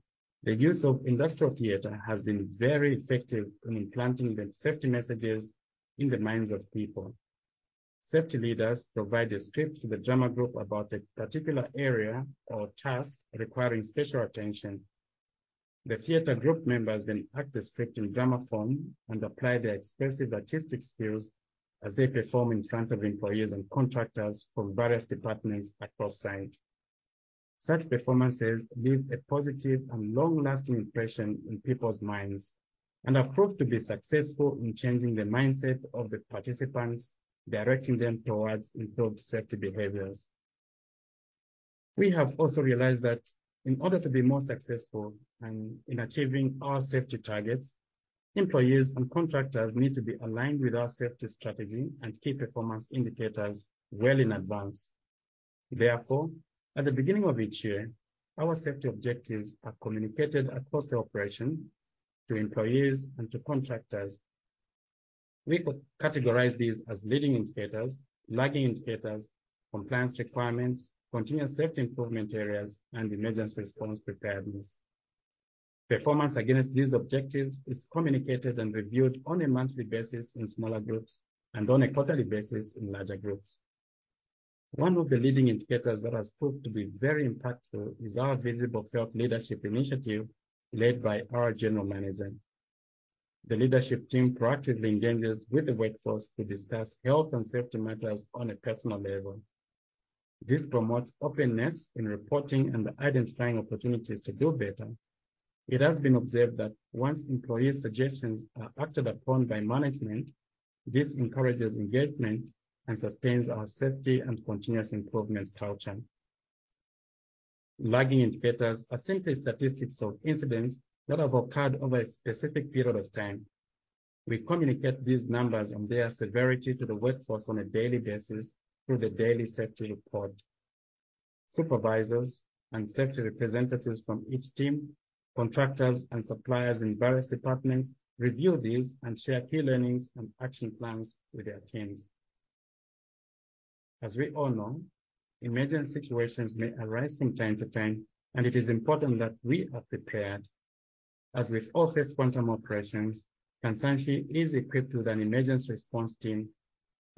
the use of industrial theater has been very effective in implanting the safety messages in the minds of people. Safety leaders provide a script to the drama group about a particular area or task requiring special attention. The theater group members then act the script in drama form and apply their expressive artistic skills as they perform in front of employees and contractors from various departments across site. Such performances leave a positive and long-lasting impression in people's minds and have proved to be successful in changing the mindset of the participants, directing them towards improved safety behaviors. We have also realized that in order to be more successful in achieving our safety targets, employees and contractors need to be aligned with our safety strategy and key performance indicators well in advance. At the beginning of each year, our safety objectives are communicated across the operation to employees and to contractors. We co-categorize these as leading indicators, lagging indicators, compliance requirements, continuous safety improvement areas, and emergency response preparedness. Performance against these objectives is communicated and reviewed on a monthly basis in smaller groups and on a quarterly basis in larger groups. One of the leading indicators that has proved to be very impactful is our Visible Felt Leadership initiative, led by our general manager. The leadership team proactively engages with the workforce to discuss health and safety matters on a personal level. This promotes openness in reporting and identifying opportunities to do better. It has been observed that once employees' suggestions are acted upon by management, this encourages engagement and sustains our safety and continuous improvement culture. Lagging indicators are simply statistics of incidents that have occurred over a specific period of time. We communicate these numbers and their severity to the workforce on a daily basis through the daily safety report. Supervisors and safety representatives from each team, contractors, and suppliers in various departments review these and share key learnings and action plans with their teams. As we all know, emergency situations may arise from time to time, and it is important that we are prepared. As with all First Quantum operations, Kansanshi is equipped with an emergency response team.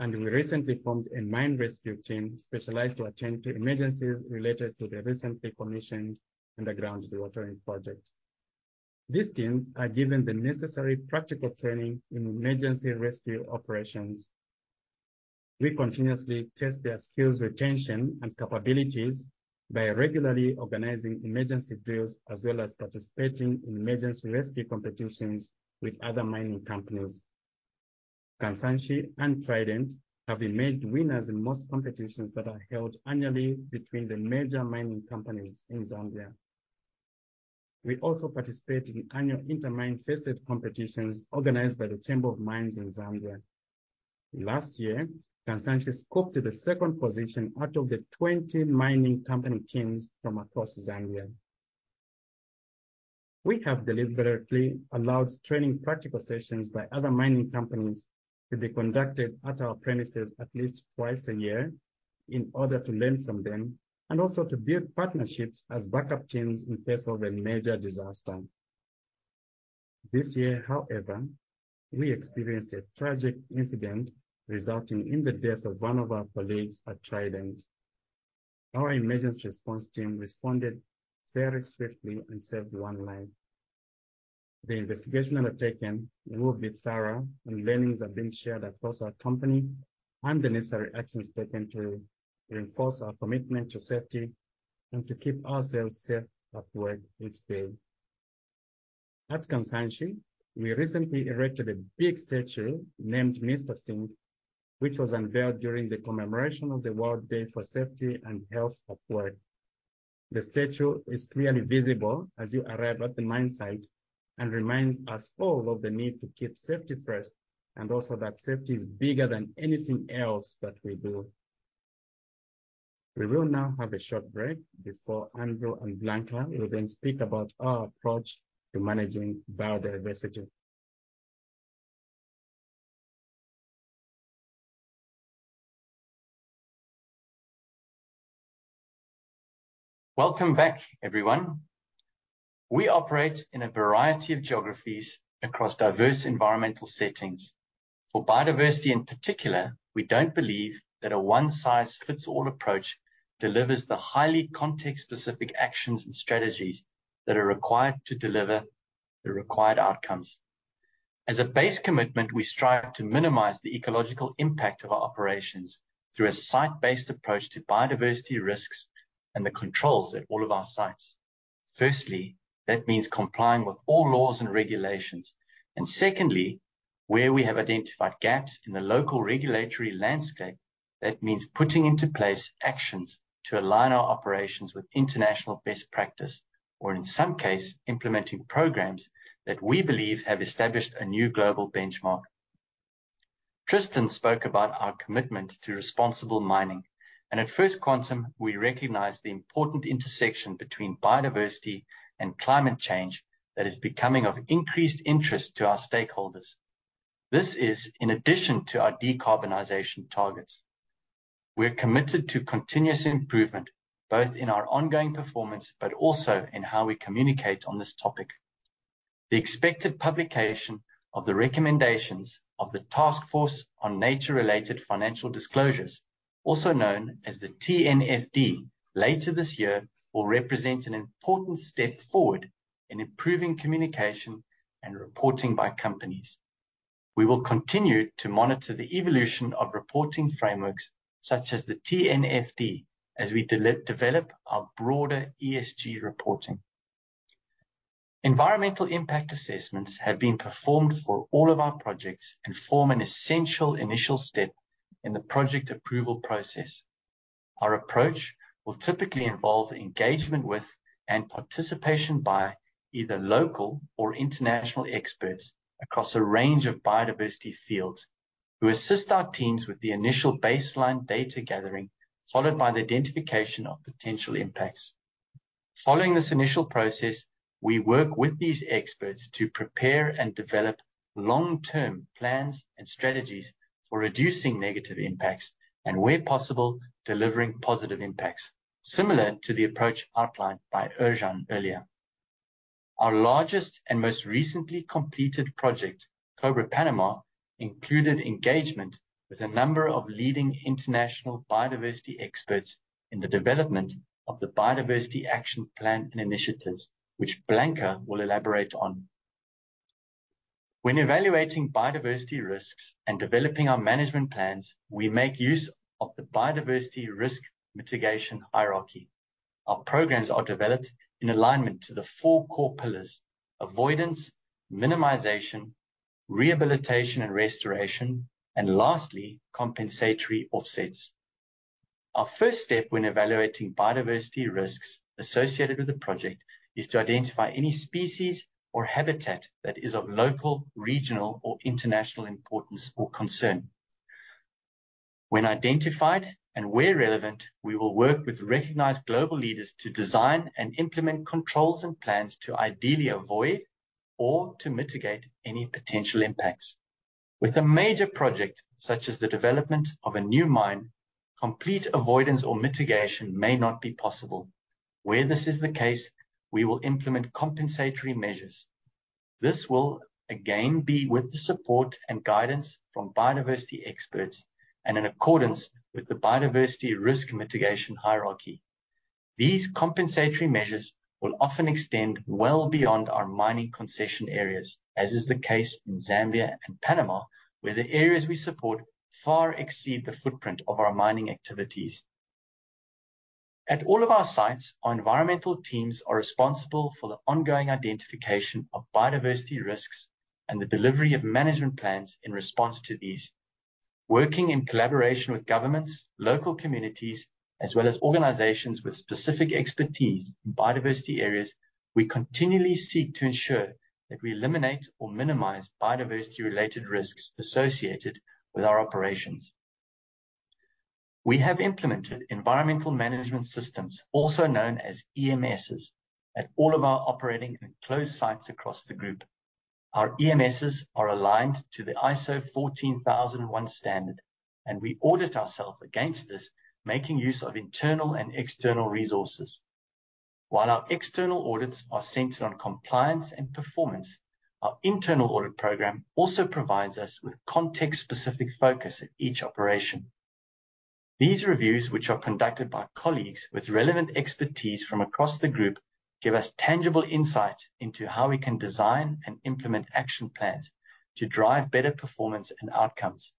We recently formed a mine rescue team specialized to attend to emergencies related to the recently commissioned underground dewatering project. These teams are given the necessary practical training in emergency rescue operations. We continuously test their skills retention and capabilities by regularly organizing emergency drills, as well as participating in emergency rescue competitions with other mining companies. Kansanshi and Trident have emerged winners in most competitions that are held annually between the major mining companies in Zambia. We also participate in annual inter-mine first aid competitions organized by the Chamber of Mines in Zambia. Last year, Kansanshi scooped the second position out of the 20 mining company teams from across Zambia. We have deliberately allowed training practical sessions by other mining companies to be conducted at our premises at least twice a year in order to learn from them, and also to build partnerships as backup teams in case of a major disaster. This year, however, we experienced a tragic incident resulting in the death of one of our colleagues at Trident. Our emergency response team responded very swiftly and saved one life. The investigation undertaken will be thorough, and learnings are being shared across our company, and the necessary actions taken to reinforce our commitment to safety and to keep ourselves safe at work each day. At Kansanshi, we recently erected a big statue named Mr. THINK! which was unveiled during the commemoration of the World Day for Safety and Health at Work. The statue is clearly visible as you arrive at the mine site and reminds us all of the need to keep safety first, and also that safety is bigger than anything else that we do. We will now have a short break before Andrew and Blanca will then speak about our approach to managing biodiversity. Welcome back, everyone. We operate in a variety of geographies across diverse environmental settings. For biodiversity, in particular, we don't believe that a one-size-fits-all approach delivers the highly context-specific actions and strategies that are required to deliver the required outcomes. As a base commitment, we strive to minimize the ecological impact of our operations through a site-based approach to biodiversity risks and the controls at all of our sites. Firstly, that means complying with all laws and regulations. Secondly, where we have identified gaps in the local regulatory landscape, that means putting into place actions to align our operations with international best practice, or in some case, implementing programs that we believe have established a new global benchmark. Tristan spoke about our commitment to responsible mining. At First Quantum, we recognize the important intersection between biodiversity and climate change that is becoming of increased interest to our stakeholders. This is in addition to our decarbonization targets. We're committed to continuous improvement, both in our ongoing performance, but also in how we communicate on this topic. The expected publication of the recommendations of the Taskforce on Nature-related Financial Disclosures, also known as the TNFD, later this year, will represent an important step forward in improving communication and reporting by companies. We will continue to monitor the evolution of reporting frameworks such as the TNFD as we develop our broader ESG reporting. Environmental impact assessments have been performed for all of our projects and form an essential initial step in the project approval process. Our approach will typically involve engagement with, and participation by, either local or international experts across a range of biodiversity fields, who assist our teams with the initial baseline data gathering, followed by the identification of potential impacts. Following this initial process, we work with these experts to prepare and develop long-term plans and strategies for reducing negative impacts, and where possible, delivering positive impacts, similar to the approach outlined by Ercan earlier. Our largest and most recently completed project, Cobre Panamá, included engagement with a number of leading international biodiversity experts in the development of the Biodiversity Action Plan and initiatives, which Blanca will elaborate on. When evaluating biodiversity risks and developing our management plans, we make use of the biodiversity risk mitigation hierarchy. Our programs are developed in alignment to the four core pillars: avoidance, minimization, rehabilitation and restoration, and lastly, compensatory offsets. Our first step when evaluating biodiversity risks associated with the project is to identify any species or habitat that is of local, regional, or international importance or concern. When identified, and where relevant, we will work with recognized global leaders to design and implement controls and plans to ideally avoid or to mitigate any potential impacts. With a major project, such as the development of a new mine, complete avoidance or mitigation may not be possible. Where this is the case, we will implement compensatory measures. This will again be with the support and guidance from biodiversity experts and in accordance with the biodiversity risk mitigation hierarchy. These compensatory measures will often extend well beyond our mining concession areas, as is the case in Zambia and Panamá, where the areas we support far exceed the footprint of our mining activities. At all of our sites, our environmental teams are responsible for the ongoing identification of biodiversity risks and the delivery of management plans in response to these. Working in collaboration with governments, local communities, as well as organizations with specific expertise in biodiversity-related areas, we continually seek to ensure that we eliminate or minimize biodiversity-related risks associated with our operations. We have implemented Environmental Management Systems, also known as EMSs, at all of our operating and closed sites across the group. Our EMSs are aligned to the ISO 14001 standard, and we audit ourself against this, making use of internal and external resources. While our external audits are centered on compliance and performance, our internal audit program also provides us with context-specific focus at each operation. These reviews, which are conducted by colleagues with relevant expertise from across the group, give us tangible insight into how we can design and implement action plans to drive better performance and outcomes.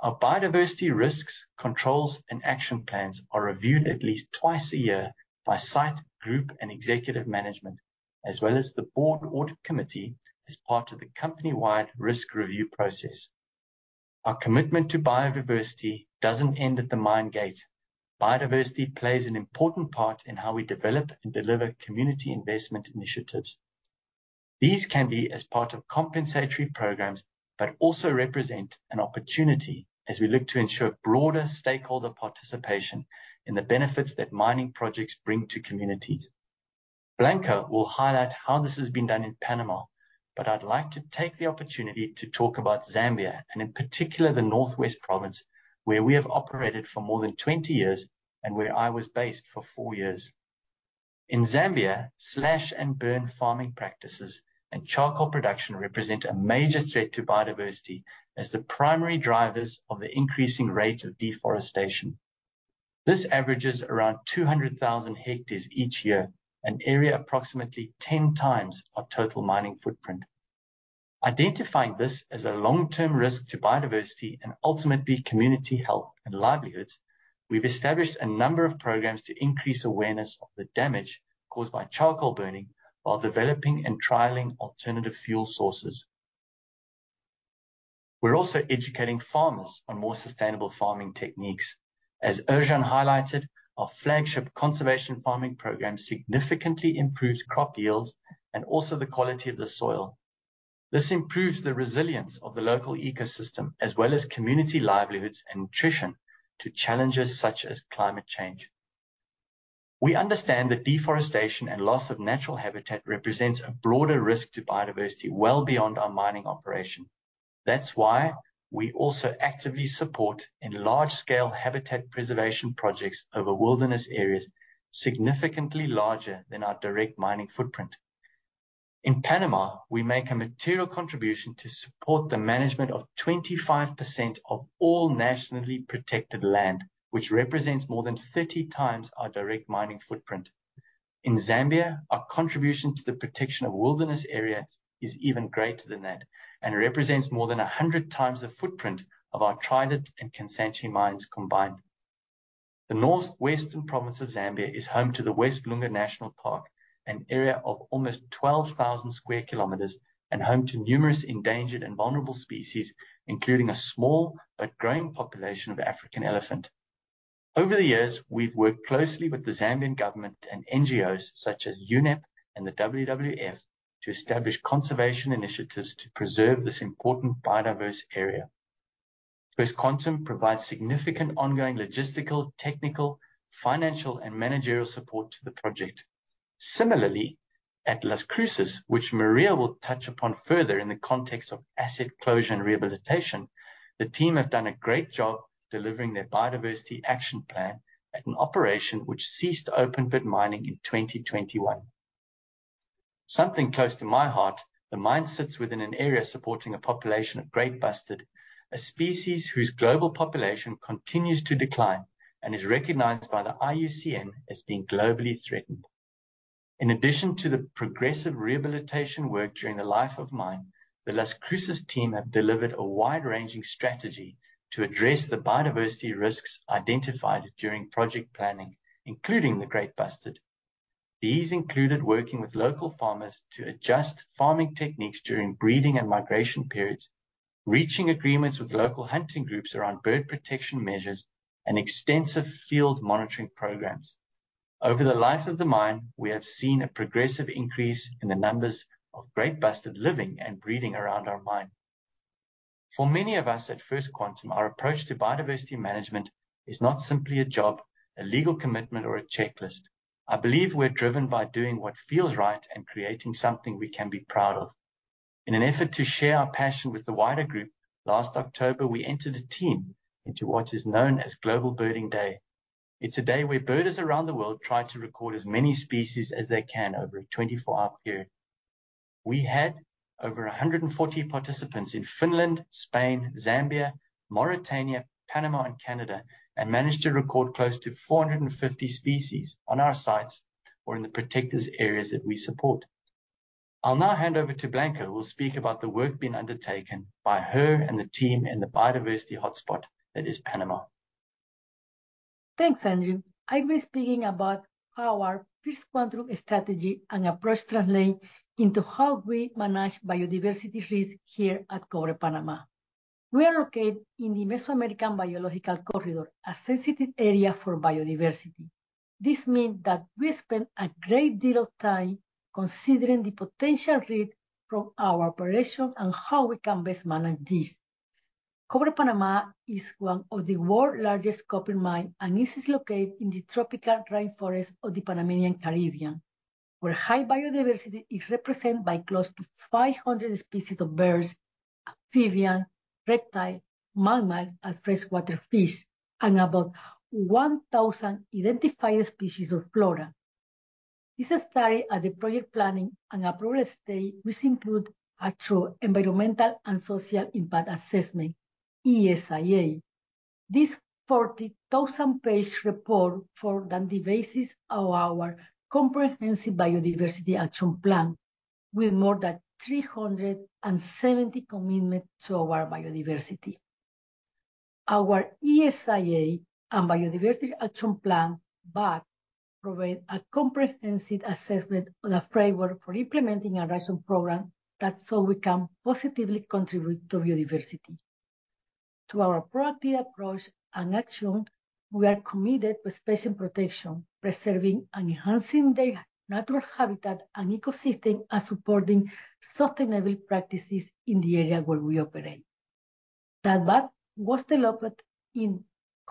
Our biodiversity risks, controls, and action plans are reviewed at least twice a year by site, group, and executive management, as well as the Board Audit Committee as part of the company-wide risk review process. Our commitment to biodiversity doesn't end at the mine gate. Biodiversity plays an important part in how we develop and deliver community investment initiatives. These can be as part of compensatory programs, also represent an opportunity as we look to ensure broader stakeholder participation in the benefits that mining projects bring to communities. Blanca will highlight how this has been done in Panamá, I'd like to take the opportunity to talk about Zambia, and in particular, the Northwest Province, where we have operated for more than 20 years and where I was based for four years. In Zambia, slash-and-burn farming practices and charcoal production represent a major threat to biodiversity as the primary drivers of the increasing rate of deforestation. This averages around 200,000 hectares each year, an area approximately 10 times our total mining footprint. Identifying this as a long-term risk to biodiversity and ultimately community health and livelihoods, we've established a number of programs to increase awareness of the damage caused by charcoal burning while developing and trialing alternative fuel sources. We're also educating farmers on more sustainable farming techniques. As Ercan highlighted, our flagship conservation farming program significantly improves crop yields and also the quality of the soil. This improves the resilience of the local ecosystem, as well as community livelihoods and nutrition to challenges such as climate change. We understand that deforestation and loss of natural habitat represents a broader risk to biodiversity well beyond our mining operation. That's why we also actively support in large-scale habitat preservation projects over wilderness areas significantly larger than our direct mining footprint. In Panamá, we make a material contribution to support the management of 25% of all nationally protected land, which represents more than 30 times our direct mining footprint. In Zambia, our contribution to the protection of wilderness areas is even greater than that and represents more than 100 times the footprint of our Trident and Kansanshi mines combined. The North-Western Province of Zambia is home to the West Lunga National Park, an area of almost 12,000 square kilometers and home to numerous endangered and vulnerable species, including a small but growing population of African elephant. Over the years, we've worked closely with the Zambian government and NGOs such as UNEP and the WWF to establish conservation initiatives to preserve this important biodiverse area. First Quantum provides significant ongoing logistical, technical, financial, and managerial support to the project. Similarly, at Las Cruces, which Maria will touch upon further in the context of asset closure and rehabilitation, the team have done a great job delivering their Biodiversity Action Plan at an operation which ceased open-pit mining in 2021. Something close to my heart, the mine sits within an area supporting a population of great bustard, a species whose global population continues to decline and is recognized by the IUCN as being globally threatened. In addition to the progressive rehabilitation work during the life of mine, the Las Cruces team have delivered a wide-ranging strategy to address the biodiversity risks identified during project planning, including the great bustard. These included working with local farmers to adjust farming techniques during breeding and migration periods, reaching agreements with local hunting groups around bird protection measures, and extensive field monitoring programs. Over the life of the mine, we have seen a progressive increase in the numbers of great bustard living and breeding around our mine. For many of us at First Quantum, our approach to biodiversity management is not simply a job, a legal commitment, or a checklist. I believe we're driven by doing what feels right and creating something we can be proud of. In an effort to share our passion with the wider group, last October, we entered a team into what is known as Global Big Day. It's a day where birders around the world try to record as many species as they can over a 24-hour period. We had over 140 participants in Finland, Spain, Zambia, Mauritania, Panamá, and Canada, and managed to record close to 450 species on our sites or in the protected areas that we support. I'll now hand over to Blanca, who will speak about the work being undertaken by her and the team in the biodiversity hotspot that is Panamá. Thanks, Andrew. I'll be speaking about how our First Quantum strategy and approach translate into how we manage biodiversity risk here at Cobre Panamá. We are located in the Mesoamerican Biological Corridor, a sensitive area for biodiversity. This means that we spend a great deal of time considering the potential risk from our operation and how we can best manage this. Cobre Panamá is one of the world's largest copper mine, and this is located in the tropical rainforest of the Panamánian Caribbean, where high biodiversity is represented by close to 500 species of birds, amphibian, reptile, mammals, and freshwater fish, and about 1,000 identified species of flora. This study at the project planning and approval stage, which include actual Environmental and Social Impact Assessment, ESIA. This 40,000-page report formed the basis of our comprehensive Biodiversity Action Plan, with more than 370 commitment to our biodiversity. Our ESIA and Biodiversity Action Plan, BAP, provide a comprehensive assessment and a framework for implementing a rational program that so we can positively contribute to biodiversity. To our proactive approach and action, we are committed to species protection, preserving and enhancing their natural habitat and ecosystem, and supporting sustainable practices in the area where we operate. That BAP was developed in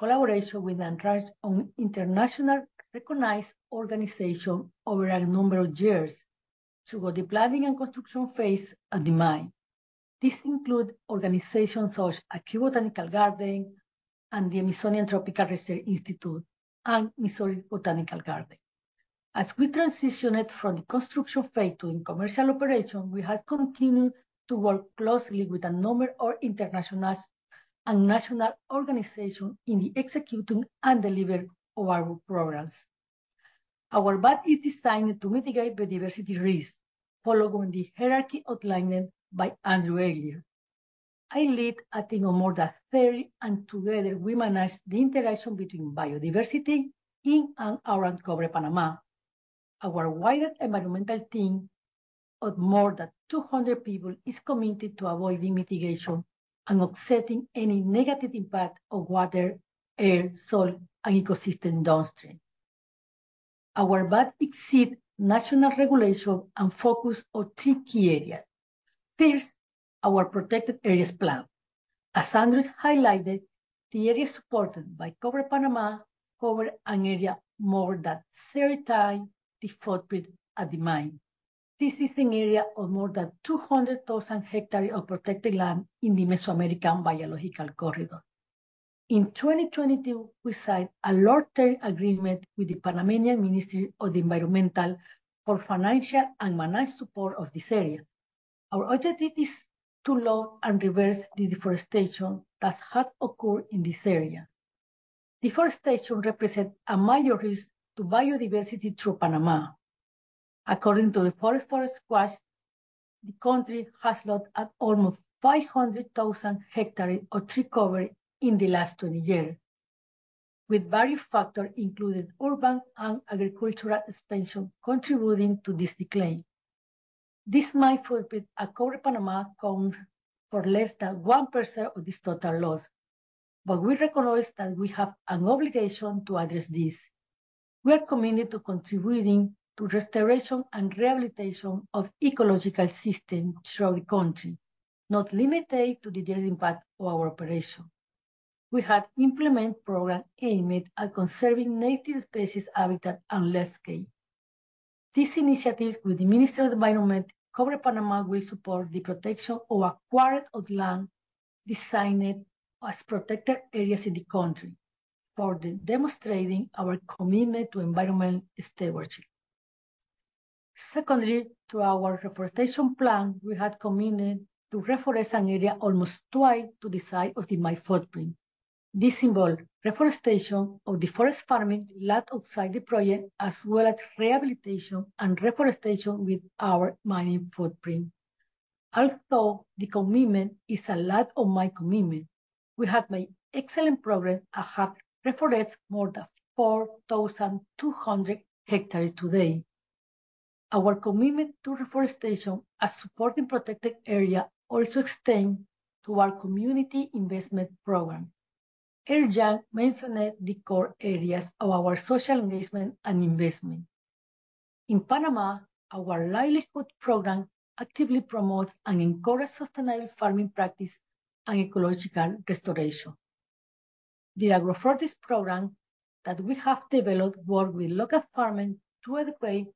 collaboration with a large own international recognized organization over a number of years throughout the planning and construction phase at the mine. This include organizations such as Kew Botanical Gardens and the Smithsonian Tropical Research Institute, and Missouri Botanical Garden. As we transitioned from the construction phase to in commercial operation, we have continued to work closely with a number of international and national organizations in the executing and delivering of our programs. Our BAB is designed to mitigate biodiversity risk, following the hierarchy outlined by Andrew earlier. I lead a team of more than 30, and together we manage the interaction between biodiversity in and around Cobre Panamá. Our wider environmental team of more than 200 people is committed to avoiding mitigation and offsetting any negative impact on water, air, soil, and ecosystem downstream. Our BAB exceeds national regulation and focus on three key areas. First, our Protected Areas Plan. As Andrew highlighted, the area supported by Cobre Panamá cover an area more than 30 times the footprint at the mine. This is an area of more than 200,000 hectares of protected land in the Mesoamerican Biological Corridor. In 2022, we signed a long-term agreement with the Panamánian Ministry of Environment for financial and managed support of this area. Our objective is to slow and reverse the deforestation that has occurred in this area. Deforestation represents a major risk to biodiversity through Panamá. According to Global Forest Watch, the country has lost almost 500,000 hectares of tree cover in the last 20 years, with various factors, including urban and agricultural expansion, contributing to this decline. This mine footprint at Cobre Panamá accounts for less than 1% of this total loss, but we recognize that we have an obligation to address this. We are committed to contributing to restoration and rehabilitation of ecological systems throughout the country, not limited to the direct impact of our operation. We have implemented programs aimed at conserving native species, habitat, and landscape. This initiative with the Ministry of Environment, Cobre Panamá, will support the protection of a quarter of land designated as protected areas in the country for demonstrating our commitment to environmental stewardship. Secondly, to our Reforestation Plan, we have committed to reforest an area almost twice to the size of the mine footprint. This involves reforestation of deforested farming land outside the project, as well as rehabilitation and reforestation within our mining footprint. Although the commitment is a large of mine commitment, we have made excellent progress and have reforest more than 4,200 hectares today. Our commitment to reforestation and supporting protected areas also extend to our community investment program. Ercan mentioned the core areas of our social engagement and investment. In Panamá, our livelihood program actively promotes and encourages sustainable farming practice and ecological restoration. The agroforestry program that we have developed work with local farmers to educate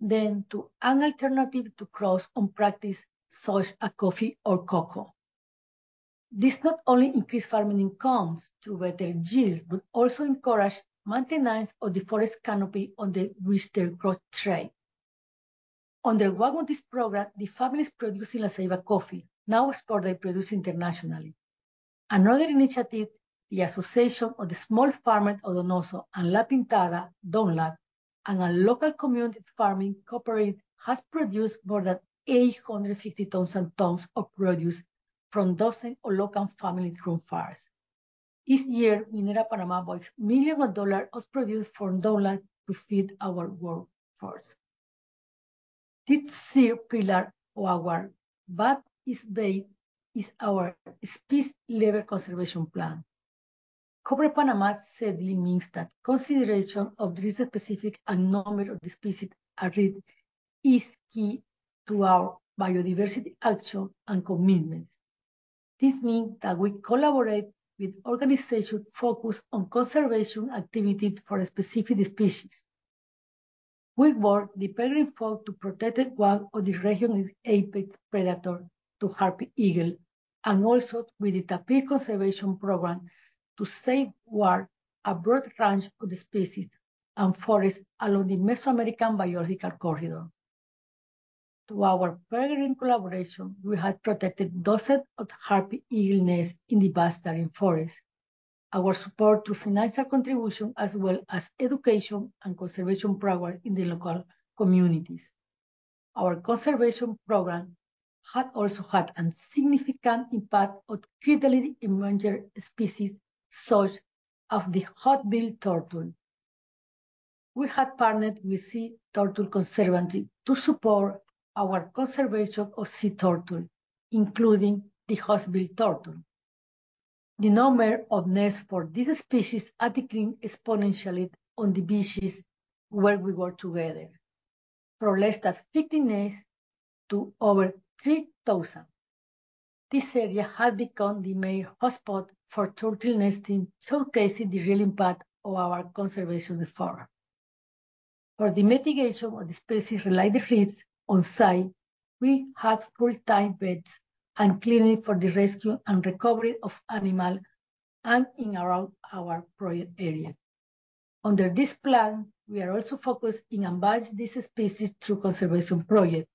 them to an alternative to crops and practices such as coffee or cocoa. This not only increase farming incomes through better yields, but also encourage maintenance of the forest canopy on the residual crop tray. Under one of these programs, the farmers producing La Ceiba coffee, now exported and produced internationally. Another initiative, the Association of the Small Farmers of Donoso and La Pintada, DONLAP, and a local community farming cooperative, has produced more than 850,000 tons of produce from dozens of local family-grown farms. Each year, Minera Panamá buys millions of dollars of produce from DONLAP to feed our workforce. The third pillar of our work is our Species-Level Conservation Plan. Cobre Panamá sadly means that consideration of the specific and number of the species at risk is key to our biodiversity action and commitments. This means that we collaborate with organizations focused on conservation activities for specific species. We work with The Peregrine Fund to protect one of the region's apex predator, the harpy eagle, and also with the Tapir Conservation Program to safeguard a broad range of the species and forests along the Mesoamerican Biological Corridor. To our Peregrine collaboration, we have protected dozens of harpy eagle nests in the vast Darién forest. Our support to financial contribution, as well as education and conservation programs in the local communities. Our conservation program has also had a significant impact on critically endangered species, such as the hawksbill turtle. We have partnered with Sea Turtle Conservancy to support our conservation of sea turtles, including the hawksbill turtle. The number of nests for this species are declining exponentially on the beaches where we work together, from less than 50 nests to over 3,000. This area has become the main hotspot for turtle nesting, showcasing the real impact of our conservation effort. For the mitigation of the species-related risks on site, we have full-time vets and clinics for the rescue and recovery of animals and in around our project area. Under this plan, we are also focused in advancing these species through conservation projects.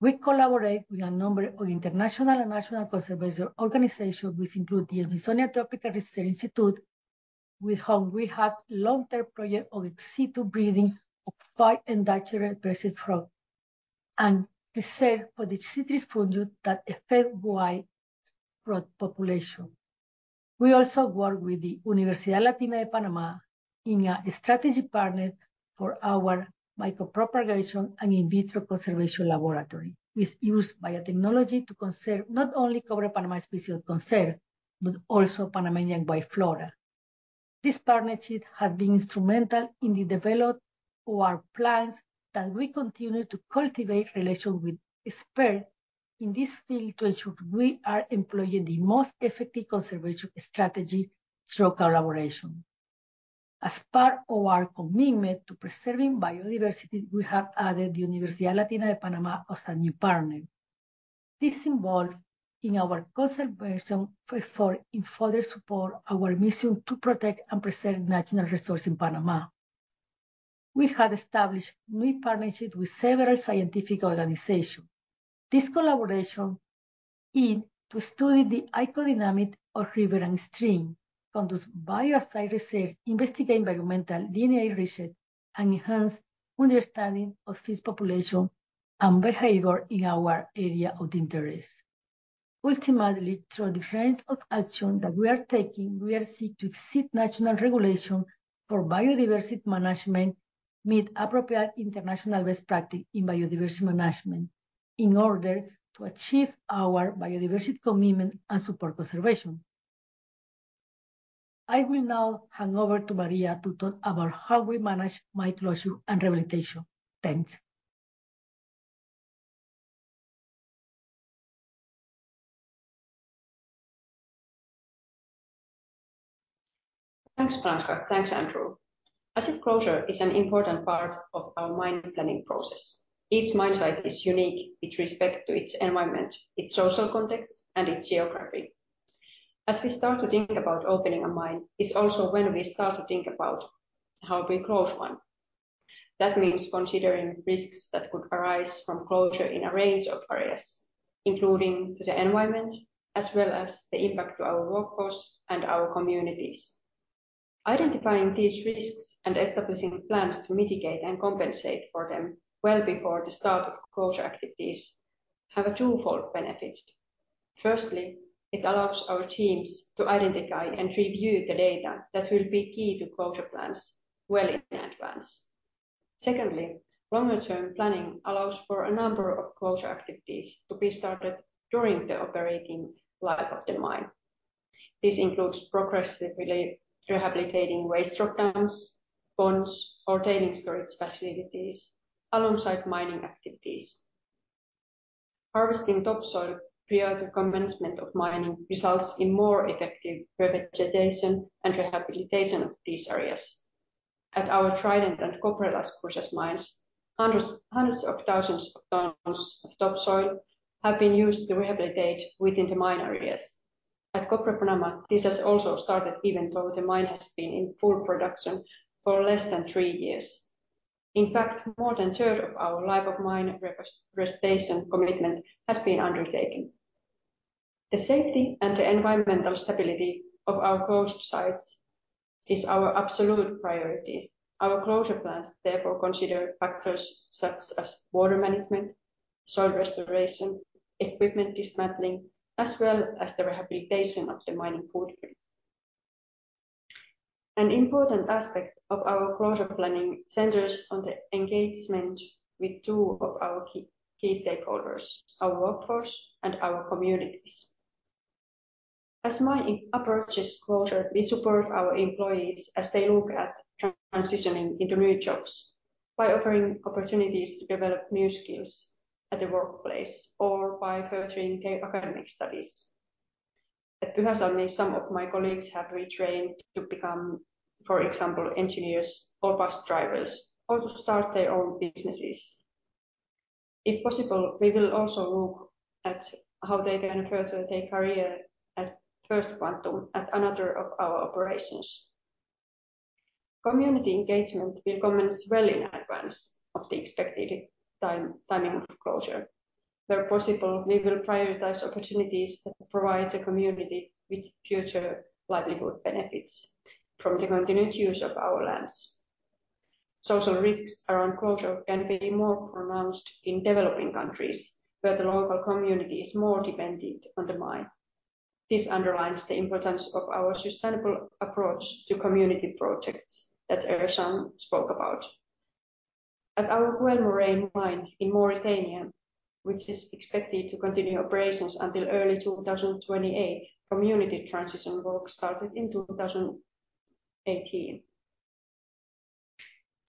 We collaborate with a number of international and national conservation organizations, which include the Smithsonian Tropical Research Institute, with whom we have long-term project of ex situ breeding of five endangered species from, and research for the chytrid fungus that affect wide broad population. We also work with the Universidad Latina de Panamá in a strategic partner for our micropropagation and in vitro conservation laboratory, which use biotechnology to conserve not only Cobre Panamá species of concern, but also Panamánian wild flora. This partnership has been instrumental in the development of our plans, that we continue to cultivate relations with experts in this field to ensure we are employing the most effective conservation strategy through collaboration. As part of our commitment to preserving biodiversity, we have added the Universidad Latina de Panamá as a new partner. This involved in our conservation effort in further support our mission to protect and preserve natural resources in Panamá. We have established new partnerships with several scientific organizations. This collaboration aim to study the hydrodynamic of river and stream, conduct bioscience research, investigate environmental DNA research, and enhance understanding of fish population and behavior in our area of interest. Ultimately, through the range of action that we are taking, we are seek to exceed national regulation for biodiversity management, meet appropriate international best practice in biodiversity management in order to achieve our biodiversity commitment and support conservation. I will now hand over to Maria to talk about how we manage mine closure and rehabilitation. Thanks. Thanks, Blanca. Thanks, Andrew. Asset closure is an important part of our mine planning process. Each mine site is unique with respect to its environment, its social context, and its geography. As we start to think about opening a mine, is also when we start to think about how we close one. That means considering risks that could arise from closure in a range of areas, including to the environment, as well as the impact to our workforce and our communities. Identifying these risks and establishing plans to mitigate and compensate for them well before the start of closure activities have a twofold benefit. Firstly, it allows our teams to identify and review the data that will be key to closure plans well in advance. Secondly, longer-term planning allows for a number of closure activities to be started during the operating life of the mine. This includes progressively rehabilitating waste rock dams, ponds, or tailings storage facilities alongside mining activities. Harvesting topsoil prior to commencement of mining results in more effective vegetation and rehabilitation of these areas. At our Trident and Cobre Las Cruces mines, hundreds of thousands of tons of topsoil have been used to rehabilitate within the mine areas. At Cobre Panamá, this has also started, even though the mine has been in full production for less than three years. In fact, more than a third of our life of mine restoration commitment has been undertaken. The safety and the environmental stability of our closed sites is our absolute priority. Our closure plans therefore consider factors such as water management, soil restoration, equipment dismantling, as well as the rehabilitation of the mining footprint. An important aspect of our closure planning centers on the engagement with two of our key stakeholders, our workforce, and our communities. As mine approaches closure, we support our employees as they look at transitioning into new jobs, by offering opportunities to develop new skills at the workplace or by furthering their academic studies. At Pyhäsalmi, some of my colleagues have retrained to become, for example, engineers or bus drivers, or to start their own businesses. If possible, we will also look at how they can further their career at First Quantum, at another of our operations. Community engagement will commence well in advance of the expected time, timing of closure. Where possible, we will prioritize opportunities that provide the community with future livelihood benefits from the continued use of our lands. Social risks around closure can be more pronounced in developing countries, where the local community is more dependent on the mine. This underlines the importance of our sustainable approach to community projects that Ercan spoke about. At our Guelb Moghrein mine in Mauritania, which is expected to continue operations until early 2028, community transition work started in 2018.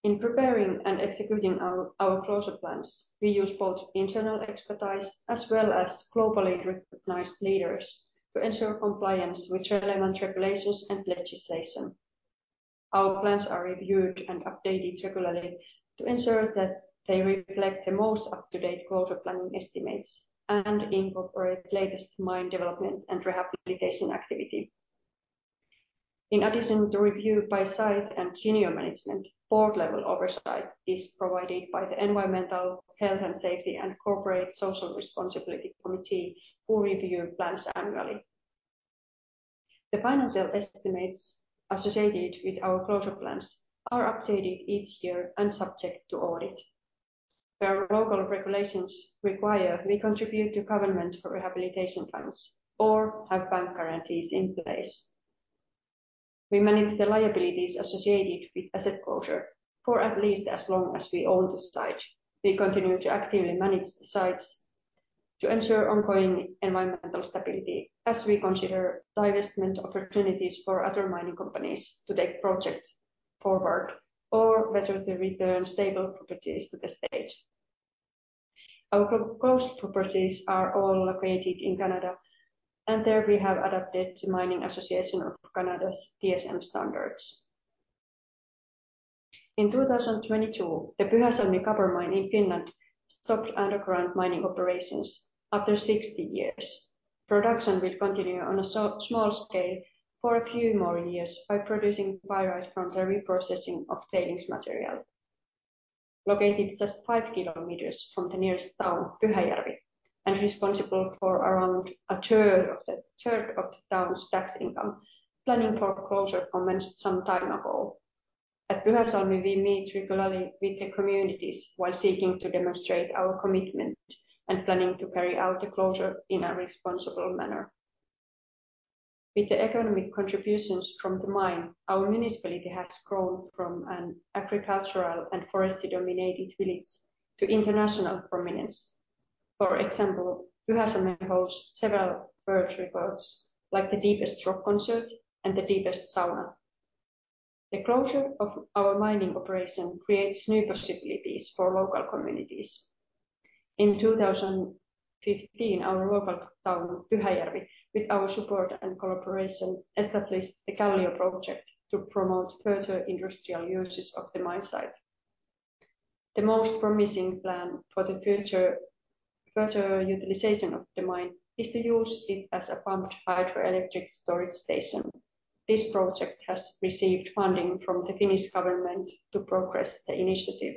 In preparing and executing our closure plans, we use both internal expertise as well as globally recognized leaders to ensure compliance with relevant regulations and legislation. Our plans are reviewed and updated regularly to ensure that they reflect the most up-to-date closure planning estimates and incorporate latest mine development and rehabilitation activity. In addition to review by site and senior management, board-level oversight is provided by the Environmental, Health and Safety, and Corporate Social Responsibility Committee, who review plans annually. The financial estimates associated with our closure plans are updated each year and subject to audit. Where local regulations require, we contribute to government for rehabilitation plans or have bank guarantees in place. We manage the liabilities associated with asset closure for at least as long as we own the site. We continue to actively manage the sites to ensure ongoing environmental stability, as we consider divestment opportunities for other mining companies to take projects forward or whether to return stable properties to the state. Our coast properties are all located in Canada, and there we have adapted to Mining Association of Canada's TSM standards. In 2022, the Pyhäsalmi copper mine in Finland stopped underground mining operations after 60 years. Production will continue on a small scale for a few more years by producing pyrite from the reprocessing of tailings material. Located just 5 km from the nearest town, Pyhäjärvi, and responsible for around a third of the town's tax income, planning for closure commenced some time ago. At Pyhäsalmi, we meet regularly with the communities while seeking to demonstrate our commitment and planning to carry out the closure in a responsible manner. With the economic contributions from the mine, our municipality has grown from an agricultural and forestry-dominated village to international prominence. For example, Pyhäsalmi hosts several world records, like the deepest rock concert and the deepest sauna. The closure of our mining operation creates new possibilities for local communities. In 2015, our local town, Pyhäjärvi, with our support and cooperation, established the Callio Project to promote further industrial uses of the mine site. The most promising plan for the future, further utilization of the mine is to use it as a pumped hydroelectric storage station. This project has received funding from the Finnish government to progress the initiative.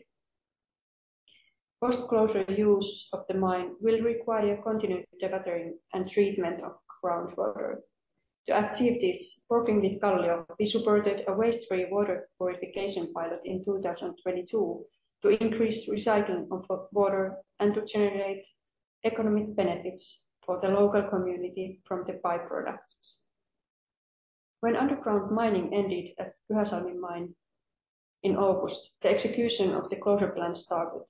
Post-closure use of the mine will require continued monitoring and treatment of groundwater. To achieve this, working with Callio, we supported a waste-free water purification pilot in 2022, to increase recycling of water and to generate economic benefits for the local community from the byproducts. When underground mining ended at Pyhäsalmi mine in August, the execution of the closure plan started.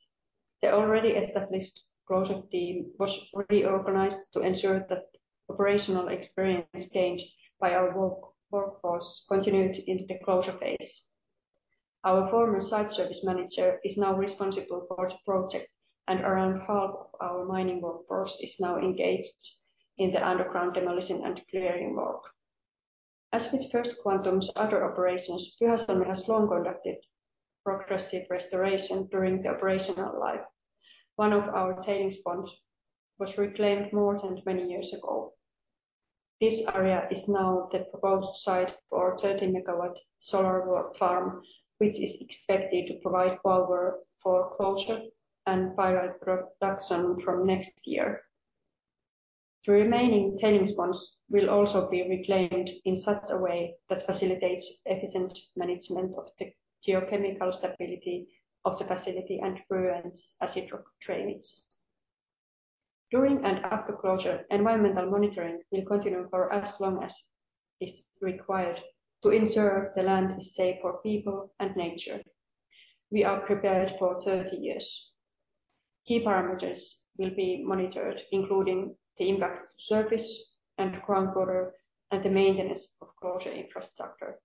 The already established closure team was reorganized to ensure that operational experience gained by our workforce continued into the closure phase. Our former site service manager is now responsible for the project, and around half of our mining workforce is now engaged in the underground demolition and clearing work. As with First Quantum's other operations, Pyhäsalmi has long conducted progressive restoration during the operational life. One of our tailings ponds was reclaimed more than 20 years ago. This area is now the proposed site for a 30 MW solar work farm, which is expected to provide power for closure and pyrite production from next year. The remaining tailings ponds will also be reclaimed in such a way that facilitates efficient management of the geochemical stability of the facility and prevents acid rock drainage. During and after closure, environmental monitoring will continue for as long as is required to ensure the land is safe for people and nature. We are prepared for 30 years. Key parameters will be monitored, including the impacts to surface and groundwater, and the maintenance of closure infrastructure.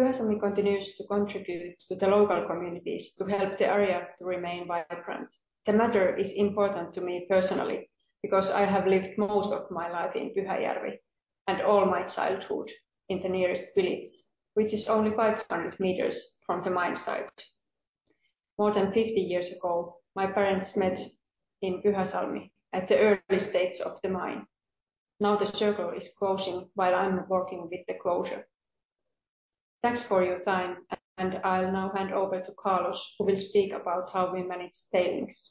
Pyhäsalmi continues to contribute to the local communities to help the area to remain vibrant. The matter is important to me personally, because I have lived most of my life in Pyhäjärvi, and all my childhood in the nearest village, which is only 500 meters from the mine site. More than 50 years ago, my parents met in Pyhäsalmi at the early stages of the mine. Now the circle is closing while I'm working with the closure. Thanks for your time, and I'll now hand over to Carlos, who will speak about how we manage tailings.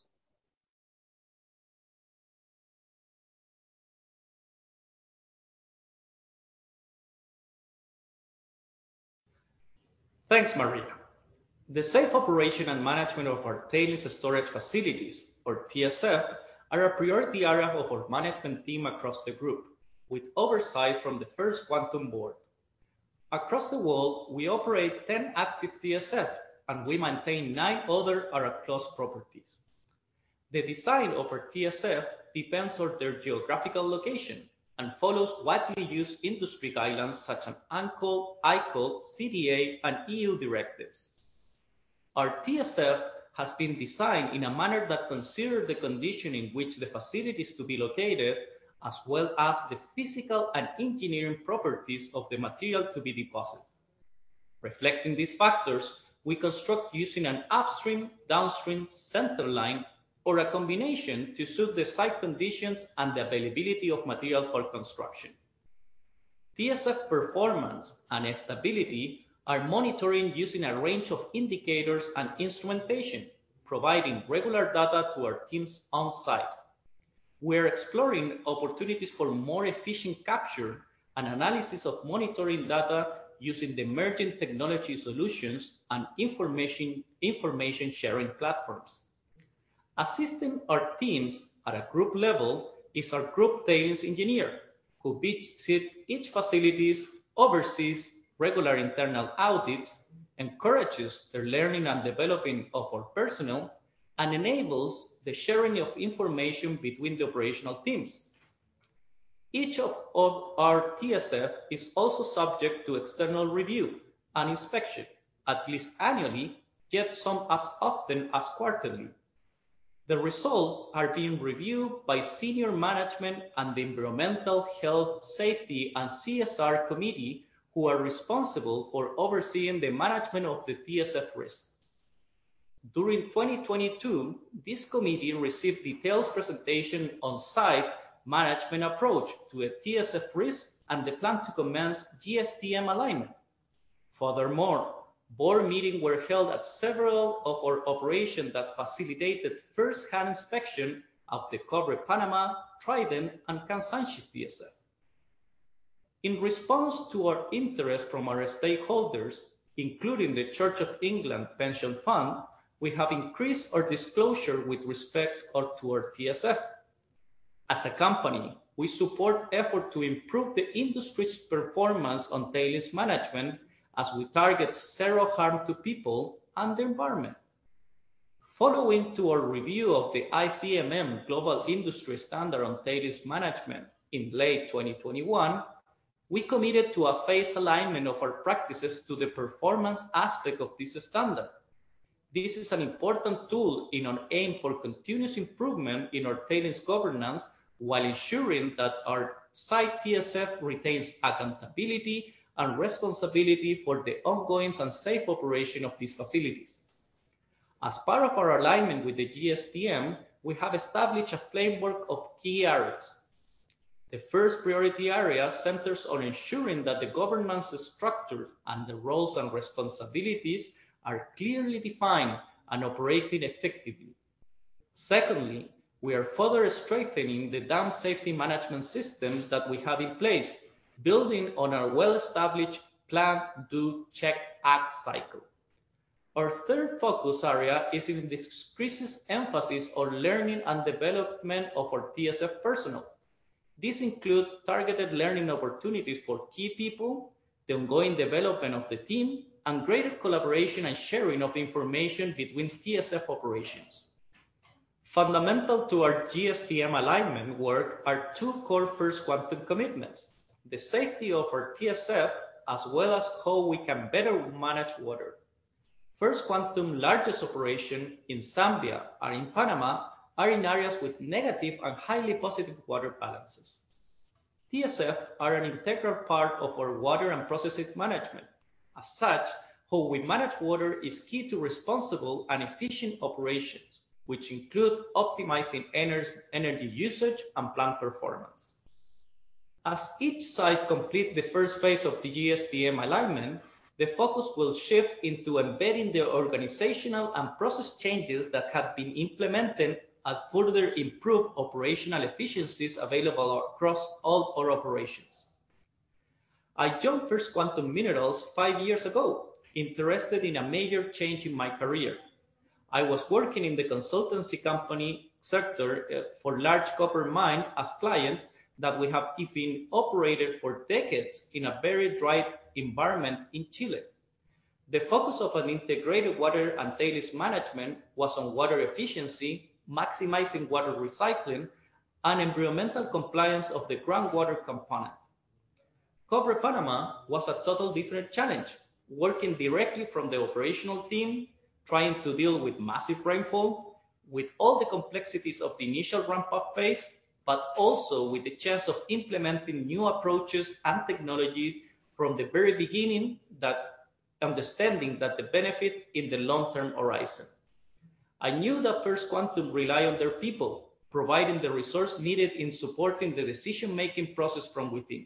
Thanks, Maria. The safe operation and management of our Tailings Storage Facilities, or TSF, are a priority area of our management team across the group, with oversight from the First Quantum Board. Across the world, we operate 10 active TSF, and we maintain nine other are a plus properties. The design of our TSF depends on their geographical location and follows widely used industry guidelines such as ANCOLD, ICOLD, CDA, and EU directives. Our TSF has been designed in a manner that consider the condition in which the facilities to be located, as well as the physical and engineering properties of the material to be deposited. Reflecting these factors, we construct using an upstream, downstream, centerline, or a combination to suit the site conditions and the availability of material for construction. TSF performance and stability are monitoring using a range of indicators and instrumentation, providing regular data to our teams on-site. We're exploring opportunities for more efficient capture and analysis of monitoring data using the emerging technology solutions and information sharing platforms. Assisting our teams at a group level is our group tailings engineer, who visits each facilities, oversees regular internal audits, encourages the learning and developing of our personnel, and enables the sharing of information between the operational teams. Each of our TSF is also subject to external review and inspection at least annually, yet some as often as quarterly. The results are being reviewed by senior management and the Environmental, Health, Safety, and CSR Committee, who are responsible for overseeing the management of the TSF risk. During 2022, this committee received details presentation on-site management approach to a TSF risk and the plan to commence GSTM alignment. Furthermore, board meeting were held at several of our operations that facilitated first-hand inspection of the Cobre Panamá, Trident, and Kansanshi TSF. In response to our interest from our stakeholders, including the Church of England Pension Fund, we have increased our disclosure with respects to our TSF. As a company, we support effort to improve the industry's performance on tailings management as we target zero harm to people and the environment. Following to our review of the ICMM Global Industry Standard on Tailings Management in late 2021, we committed to a phase alignment of our practices to the performance aspect of this standard. This is an important tool in our aim for continuous improvement in our tailings governance, while ensuring that our site TSF retains accountability and responsibility for the ongoing and safe operation of these facilities. As part of our alignment with the GSTM, we have established a framework of key areas. The first priority area centers on ensuring that the governance structure and the roles and responsibilities are clearly defined and operated effectively. Secondly, we are further strengthening the dam safety management system that we have in place, building on our well-established Plan-Do-Check-Act cycle. Our third focus area is in the increased emphasis on learning and development of our TSF personnel. This includes targeted learning opportunities for key people, the ongoing development of the team, and greater collaboration and sharing of information between TSF operations. Fundamental to our GSTM alignment work are two core First Quantum commitments: the safety of our TSF, as well as how we can better manage water. First Quantum largest operation in Zambia and in Panamá are in areas with negative and highly positive water balances. TSF are an integral part of our water and processes management. How we manage water is key to responsible and efficient operations, which include optimizing energy usage and plant performance. As each site complete the first phase of the GSTM alignment, the focus will shift into embedding the organizational and process changes that have been implemented and further improve operational efficiencies available across all our operations. I joined First Quantum Minerals five years ago, interested in a major change in my career. I was working in the consultancy company sector for large copper mine as client, that we have even operated for decades in a very dry environment in Chile. The focus of an integrated water and tailings management was on water efficiency, maximizing water recycling, and environmental compliance of the groundwater component. Cobre Panamá was a total different challenge, working directly from the operational team, trying to deal with massive rainfall, with all the complexities of the initial ramp-up phase, but also with the chance of implementing new approaches and technology from the very beginning, that understanding that the benefit in the long-term horizon. I knew that First Quantum rely on their people, providing the resource needed in supporting the decision-making process from within.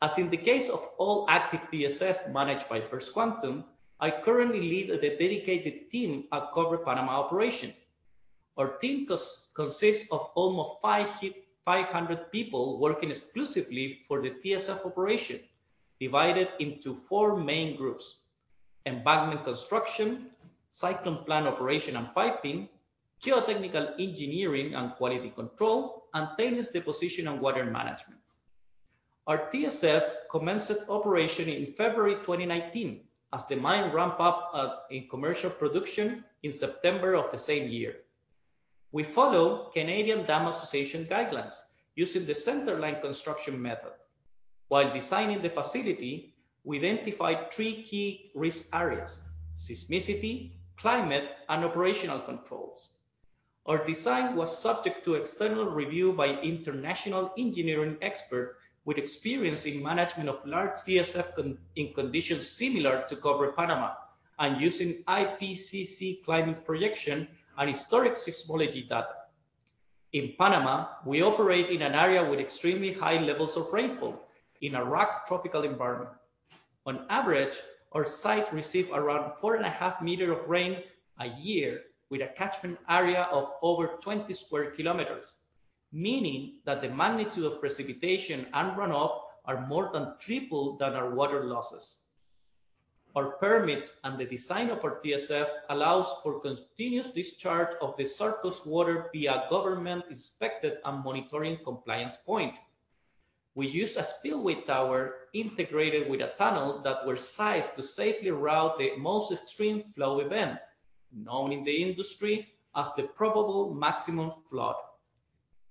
As in the case of all active TSF managed by First Quantum, I currently lead the dedicated team at Cobre Panamá operation. Our team consists of almost 500 people working exclusively for the TSF operation, divided into four main groups: embankment construction, cyclone plant operation and piping, geotechnical engineering and quality control, and tailings deposition and water management. Our TSF commenced operation in February 2019, as the mine ramp up in commercial production in September of the same year. We follow Canadian Dam Association guidelines using the centerline construction method. While designing the facility, we identified three key risk areas: Seismicity, Climate, and Operational Controls. Our design was subject to external review by international engineering expert with experience in management of large TSF in conditions similar to Cobre Panamá, and using IPCC climate projection and historic seismology data. In Panamá, we operate in an area with extremely high levels of rainfall in a rock tropical environment. On average, our site receive around four and a half meters of rain a year, with a catchment area of over 20 square kilometers, meaning that the magnitude of precipitation and runoff are more than triple than our water losses. Our permits and the design of our TSF allows for continuous discharge of the surplus water via government-inspected and monitoring compliance point. We use a spillway tower integrated with a tunnel that were sized to safely route the most extreme flow event, known in the industry as the Probable Maximum Flood.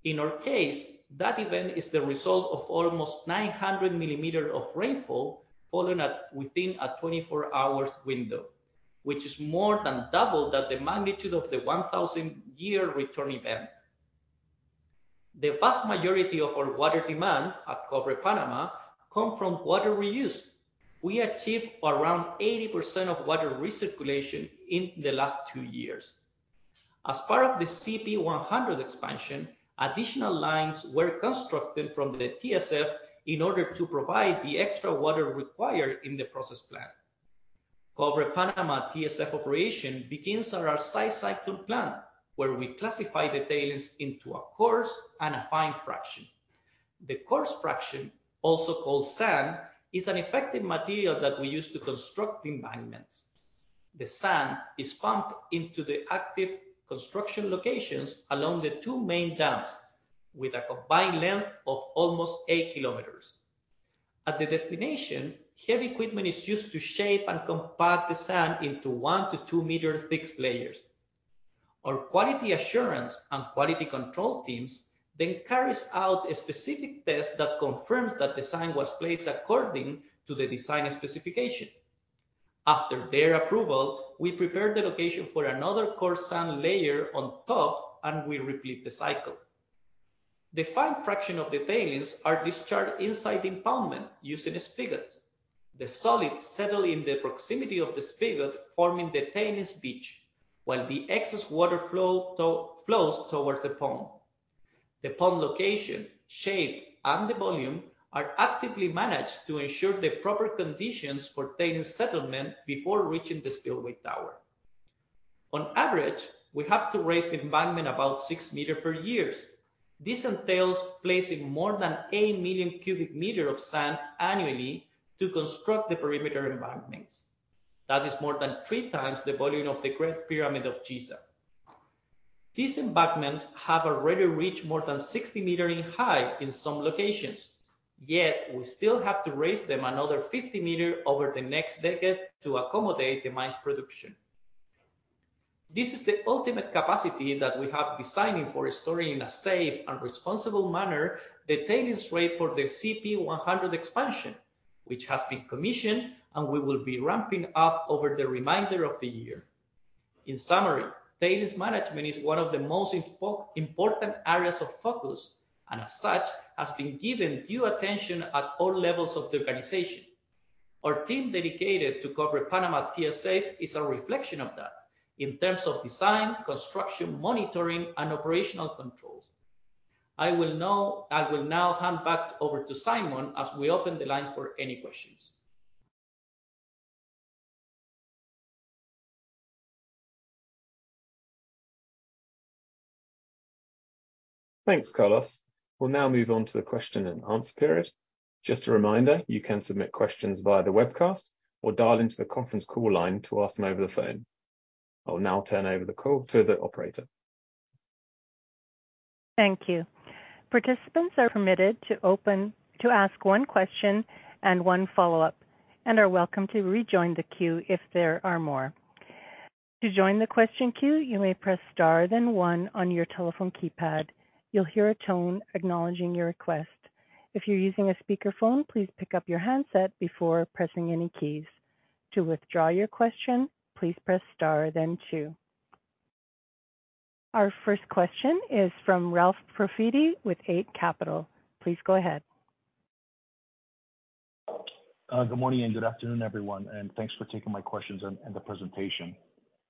In our case, that event is the result of almost 900 millimeters of rainfall falling within a 24-hour window, which is more than double that the magnitude of the 1,000 year return event. The vast majority of our water demand at Cobre Panamá come from water reuse. We achieve around 80% of water recirculation in the last two years. As part of the CP100 expansion, additional lines were constructed from the TSF in order to provide the extra water required in the process plant. Cobre Panamá TSF operation begins at our site cyclone plant, where we classify the tailings into a coarse and a fine fraction. The coarse fraction, also called sand, is an effective material that we use to construct the embankments. The sand is pumped into the active construction locations along the 2 main dams, with a combined length of almost 8 km. At the destination, heavy equipment is used to shape and compact the sand into one to two-meter thick layers. Our quality assurance and quality control teams then carries out a specific test that confirms that the sand was placed according to the design specification. After their approval, we prepare the location for another coarse sand layer on top, and we repeat the cycle. The fine fraction of the tailings are discharged inside the impoundment using a spigot. The solids settle in the proximity of the spigot, forming the tailings beach, while the excess water flows towards the pond. The pond location, shape, and the volume are actively managed to ensure the proper conditions for tailings settlement before reaching the spillway tower. On average, we have to raise the embankment about six meter per years. This entails placing more than eight million cubic meter of sand annually to construct the perimeter embankments. That is more than three times the volume of the Great Pyramid of Giza. These embankments have already reached more than 60 meters in height in some locations, yet we still have to raise them another 50 meters over the next decade to accommodate the mine's production. This is the ultimate capacity that we have designing for storing in a safe and responsible manner, the tailings rate for the CP100 expansion, which has been commissioned and we will be ramping up over the remainder of the year. In summary, tailings management is one of the most important areas of focus, as such, has been given due attention at all levels of the organization. Our team dedicated to Cobre Panamá TSF is a reflection of that in terms of design, construction, monitoring, and operational controls. I will now hand back over to Simon as we open the lines for any questions. Thanks, Carlos. We'll now move on to the question and answer period. Just a reminder, you can submit questions via the webcast or dial into the conference call line to ask them over the phone. I'll now turn over the call to the Operator. Thank you. Participants are permitted to ask one question and one follow-up, and are welcome to rejoin the queue if there are more. To join the question queue, you may press star then one on your telephone keypad. You'll hear a tone acknowledging your request. If you're using a speakerphone, please pick up your handset before pressing any keys. To withdraw your question, please press star then two. Our first question is from Ralph Profiti with Eight Capital. Please go ahead. Good morning and good afternoon, everyone. Thanks for taking my questions and the presentation.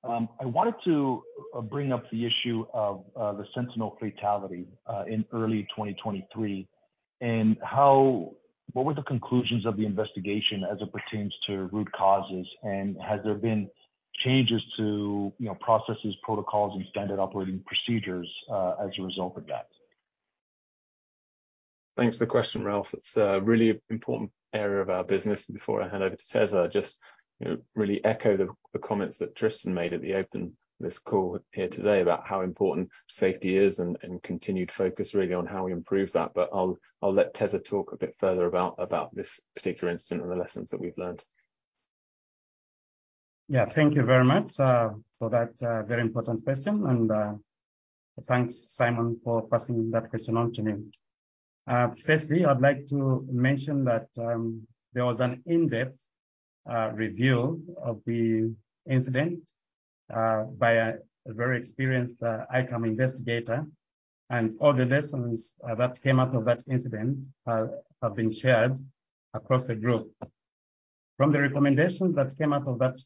I wanted to bring up the issue of the Sentinel fatality in early 2023. What were the conclusions of the investigation as it pertains to root causes? Has there been changes to, you know, processes, protocols, and standard operating procedures as a result of that? Thanks for the question, Ralph. It's a really important area of our business. Before I hand over to Teza, just, you know, really echo the comments that Tristan made at the open of this call here today about how important safety is and continued focus really on how we improve that. I'll let Teza talk a bit further about this particular incident and the lessons that we've learned. Yeah. Thank you very much for that very important question, and thanks, Simon, for passing that question on to me. Firstly, I'd like to mention that there was an in-depth review of the incident by a very experienced ICAM investigator, and all the lessons that came out of that incident have been shared across the group. From the recommendations that came out of that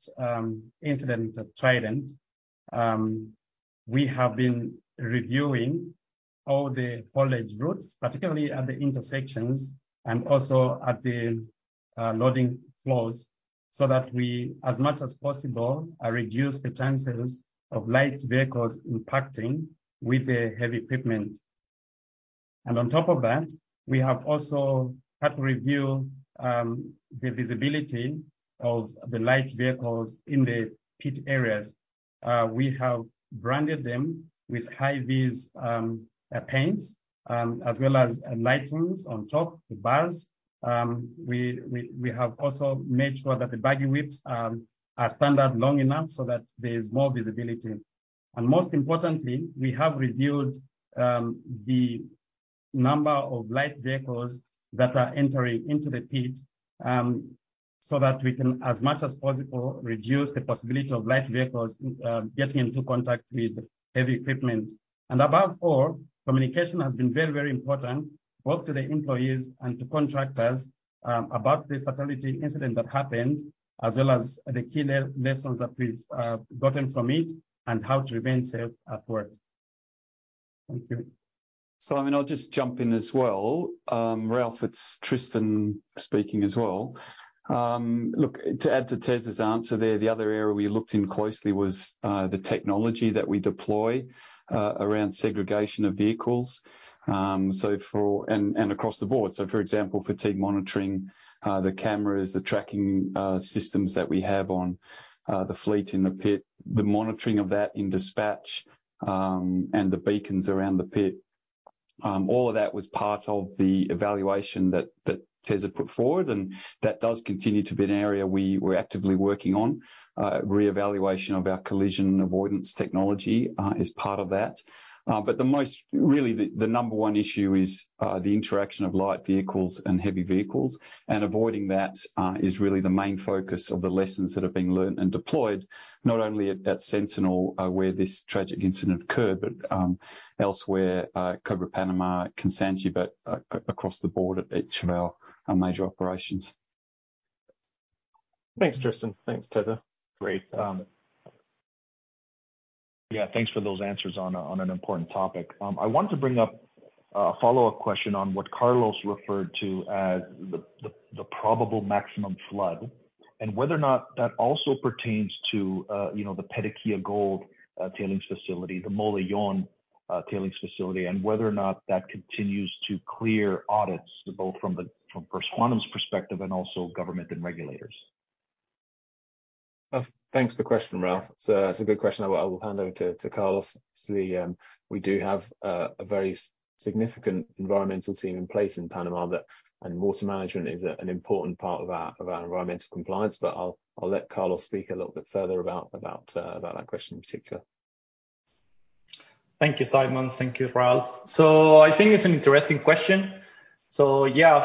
incident at Trident, we have been reviewing all the haulage routes, particularly at the intersections and also at the loading floors, so that we, as much as possible, reduce the chances of light vehicles impacting with the heavy equipment. On top of that, we have also had to review the visibility of the light vehicles in the pit areas. We have branded them with high vis paints, as well as lightings on top, the bars. We have also made sure that the buggy widths are standard long enough so that there's more visibility. Most importantly, we have reviewed the number of light vehicles that are entering into the pit, so that we can, as much as possible, reduce the possibility of light vehicles getting into contact with heavy equipment. Above all, communication has been very, very important, both to the employees and to contractors, about the fatality incident that happened, as well as the key lessons that we've gotten from it and how to remain safe at work. Thank you. Simon, I'll just jump in as well. Ralph, it's Tristan speaking as well. Look, to add to Teza's answer there, the other area we looked in closely was the technology that we deploy around segregation of vehicles. across the board. For example, fatigue monitoring, the cameras, the tracking systems that we have on the fleet in the pit, the monitoring of that in dispatch, and the beacons around the pit. All of that was part of the evaluation that Teza put forward, and that does continue to be an area we were actively working on. Reevaluation of our collision avoidance technology is part of that. The most, really the number one issue is the interaction of light vehicles and heavy vehicles. Avoiding that is really the main focus of the lessons that are being learned and deployed, not only at Sentinel, where this tragic incident occurred, but elsewhere, Cobre Panamá, Kansanshi, but across the board at each of our major operations. Thanks, Tristan. Thanks, Teza. Great. Yeah, thanks for those answers on an important topic. I wanted to bring up a follow-up question on what Carlos referred to as the probable maximum flood and whether or not that also pertains to, you know, the Petaquilla Gold tailings facility, the Molejón tailings facility, and whether or not that continues to clear audits, both from First Quantum's perspective and also government and regulators. Thanks for the question, Ralph. It's a good question. I will hand over to Carlos. See, we do have a very significant environmental team in place in Panamá, and water management is an important part of our environmental compliance, but I'll let Carlos speak a little bit further about that question in particular. Thank you, Simon. Thank you, Ralph. I think it's an interesting question. Yeah,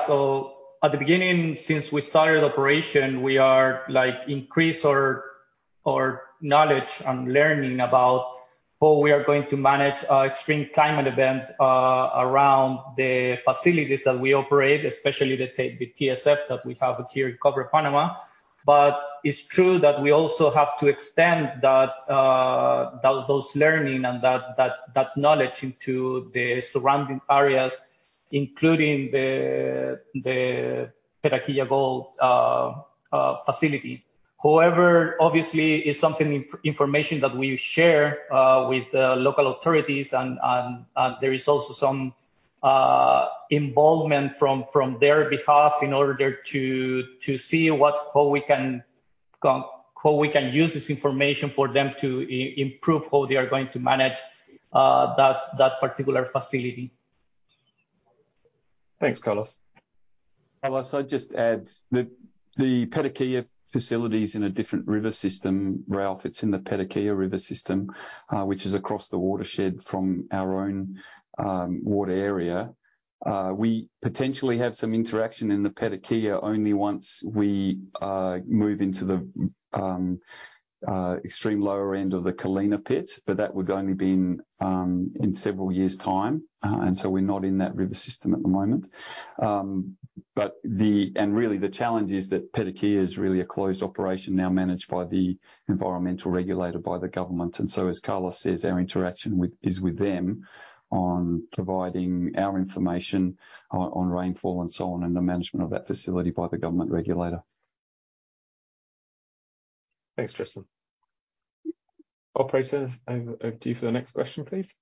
at the beginning, since we started operation, we are, like, increase our knowledge on learning about how we are going to manage extreme climate event around the facilities that we operate, especially the TSF that we have here in Cobre Panamá. It's true that we also have to extend that, those learning and that knowledge into the surrounding areas, including the Petaquilla Gold facility. However, obviously, it's something information that we share with the local authorities, and there is also some involvement from their behalf in order to see how we can use this information for them to improve how they are going to manage that particular facility. Thanks, Carlos. Carlos, I'd just add, the Petaquilla facility is in a different river system, Ralph. It's in the Petaquilla river system, which is across the watershed from our own water area. We potentially have some interaction in the Petaquilla only once we move into the extreme lower end of the Colina pit, but that would only be in several years' time. So we're not in that river system at the moment. And really, the challenge is that Petaquilla is really a closed operation now managed by the environmental regulator, by the government. So, as Carlos says, our interaction is with them on providing our information on rainfall and so on, and the management of that facility by the government regulator. Thanks, Tristan. Operator, over to you for the next question, please.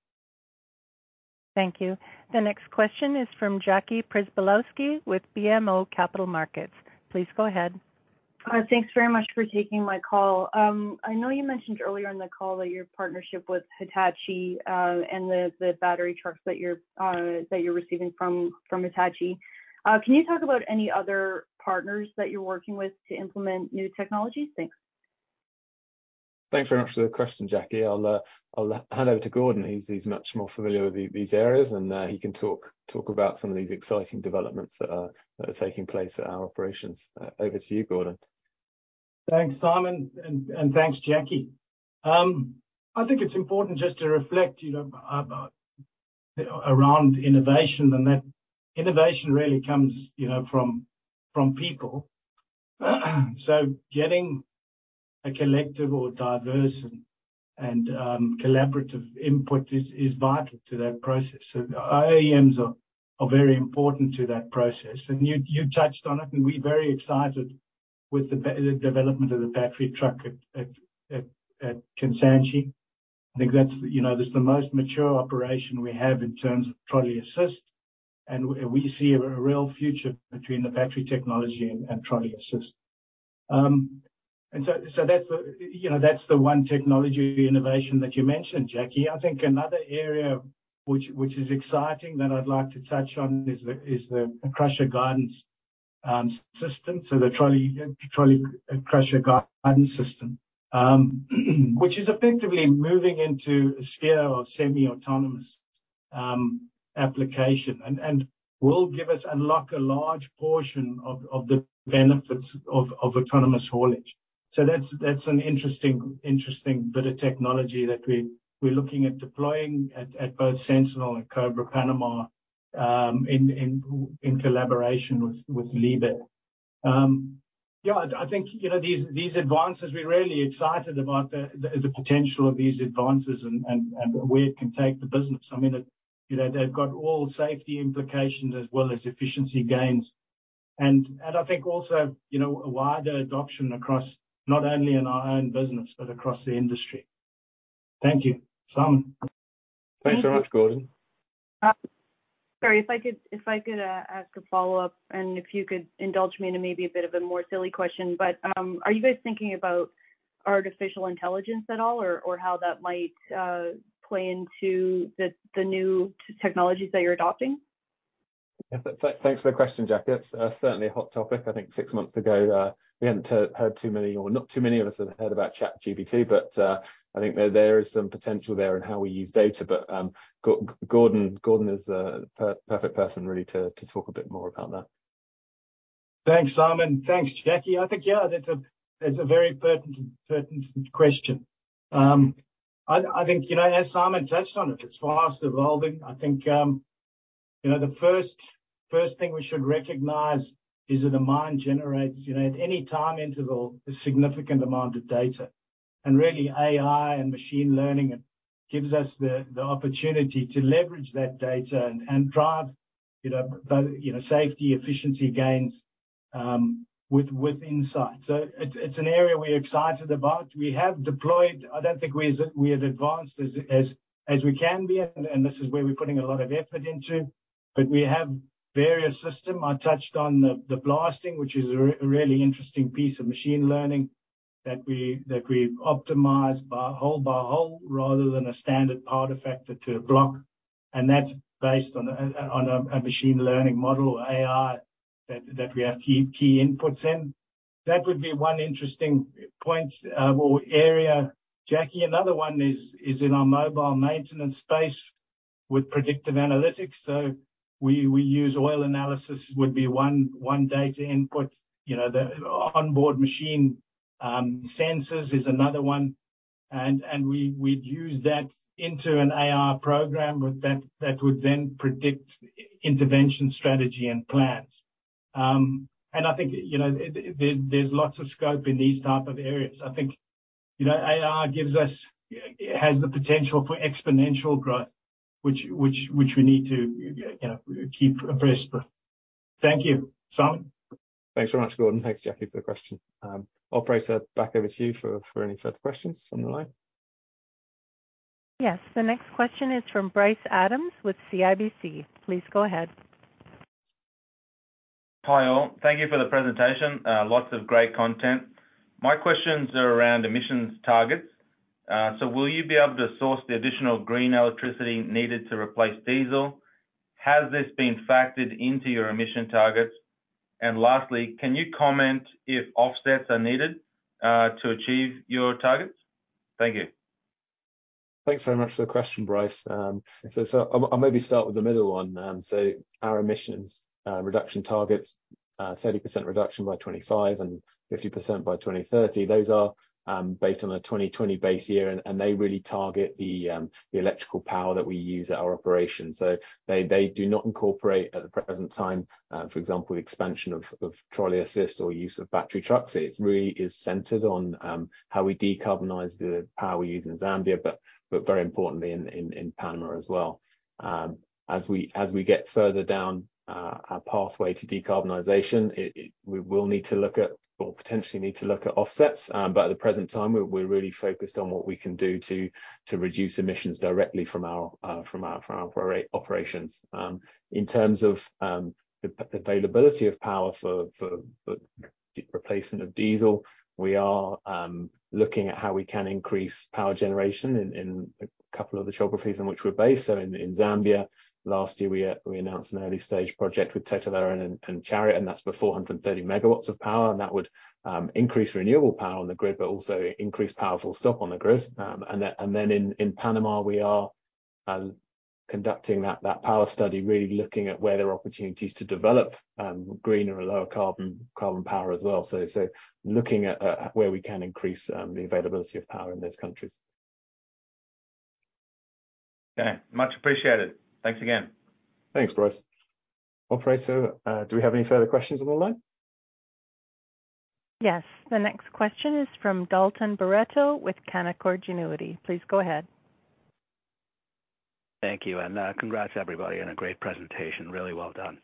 Thank you. The next question is from Jackie Przybylowski with BMO Capital Markets. Please go ahead. Thanks very much for taking my call. I know you mentioned earlier in the call that your partnership with Hitachi, and the battery trucks that you're receiving from Hitachi. Can you talk about any other partners that you're working with to implement new technologies? Thanks. Thanks very much for the question, Jackie. I'll hand over to Gordon. He's much more familiar with these areas, and he can talk about some of these exciting developments that are taking place at our operations. Over to you, Gordon. Thanks, Simon, and thanks, Jackie. I think it's important just to reflect, you know, around innovation, and that innovation really comes, you know, from people. Getting a collective or diverse and collaborative input is vital to that process. OEMs are very important to that process. You touched on it, and we're very excited with the development of the battery truck at Kansanshi. I think that's, you know, that's the most mature operation we have in terms of trolley-assist, and we see a real future between the battery technology and trolley-assist. That's the, you know, that's the one technology innovation that you mentioned, Jackie. I think another area which is exciting, that I'd like to touch on is the crusher guidance system. The trolley crusher guidance system, which is effectively moving into a sphere of semi-autonomous application and will give us, unlock a large portion of the benefits of autonomous haulage. That's an interesting bit of technology that we're looking at deploying at both Sentinel and Cobre Panamá, in collaboration with Liebherr. Yeah, I think, you know, these advances, we're really excited about the potential of these advances and where it can take the business. I mean, you know, they've got all safety implications as well as efficiency gains and I think also, you know, a wider adoption across not only in our own business but across the industry. Thank you. Simon? Thanks so much, Gordon. Sorry, if I could ask a follow-up, and if you could indulge me in a maybe a bit of a more silly question, but, are you guys thinking about artificial intelligence at all or how that might play into the new technologies that you're adopting? Yeah. Thanks for the question, Jackie. It's certainly a hot topic. I think six months ago, we hadn't heard too many, or not too many of us had heard about ChatGPT, but I think there is some potential there in how we use data. Gordon is the perfect person really, to talk a bit more about that. Thanks, Simon. Thanks, Jackie. I think, yeah, that's a very pertinent question. I think, you know, as Simon touched on it's fast evolving. I think, you know, the first thing we should recognize is that a mine generates, you know, at any time interval, a significant amount of data. Really, AI and machine learning gives us the opportunity to leverage that data and drive, you know, safety, efficiency gains, with insight. It's an area we're excited about. We have advanced as we can be, and this is where we're putting a lot of effort into, but we have various system. I touched on the blasting, which is a really interesting piece of machine learning that we optimize by hole-by-hole, rather than a standard part effector to a block, and that's based on a machine learning model, AI, that we have key inputs in. That would be one interesting point or area, Jackie. Another one is in our mobile maintenance space with predictive analytics. We use oil analysis would be one data input. You know, the onboard machine sensors is another one, and we'd use that into an AI program with that would then predict intervention, strategy, and plans. I think, you know, there's lots of scope in these type of areas. I think, you know, AI gives us. It has the potential for exponential growth, which we need to, you know, keep abreast with. Thank you. Simon? Thanks very much, Gordon. Thanks, Jackie, for the question. Operator, back over to you for any further questions from the line. Yes. The next question is from Bryce Adams with CIBC. Please go ahead. Hi, all. Thank you for the presentation. Lots of great content. My questions are around emissions targets. Will you be able to source the additional green electricity needed to replace diesel? Has this been factored into your emission targets? Lastly, can you comment if offsets are needed to achieve your targets? Thank you. Thanks very much for the question, Bryce. I'll maybe start with the middle one. Our emissions reduction targets, 30% reduction by 25% and 50% by 2030, those are based on a 2020 base year, and they really target the electrical power that we use at our operation. They do not incorporate, at the present time, for example, expansion of trolley-assist or use of battery trucks. It really is centered on how we decarbonize the power we use in Zambia, but very importantly in Panamá as well. As we get further down our pathway to decarbonization, we will need to look at or potentially need to look at offsets. At the present time, we're really focused on what we can do to reduce emissions directly from our operations. In terms of the availability of power for replacement of diesel, we are looking at how we can increase power generation in a couple of the geographies in which we're based. In Zambia, last year, we announced an early-stage project with Tetela and Chariot, and that's for 430 MW of power, and that would increase renewable power on the grid, but also increase powerful stop on the grid. In Panamá, we are conducting that power study, really looking at where there are opportunities to develop greener and lower carbon power as well. Looking at where we can increase the availability of power in those countries. Okay. Much appreciated. Thanks again. Thanks, Bryce. Operator, do we have any further questions on the line? Yes. The next question is from Dalton Baretto with Canaccord Genuity. Please go ahead. Thank you, congrats, everybody, on a great presentation. Really well done.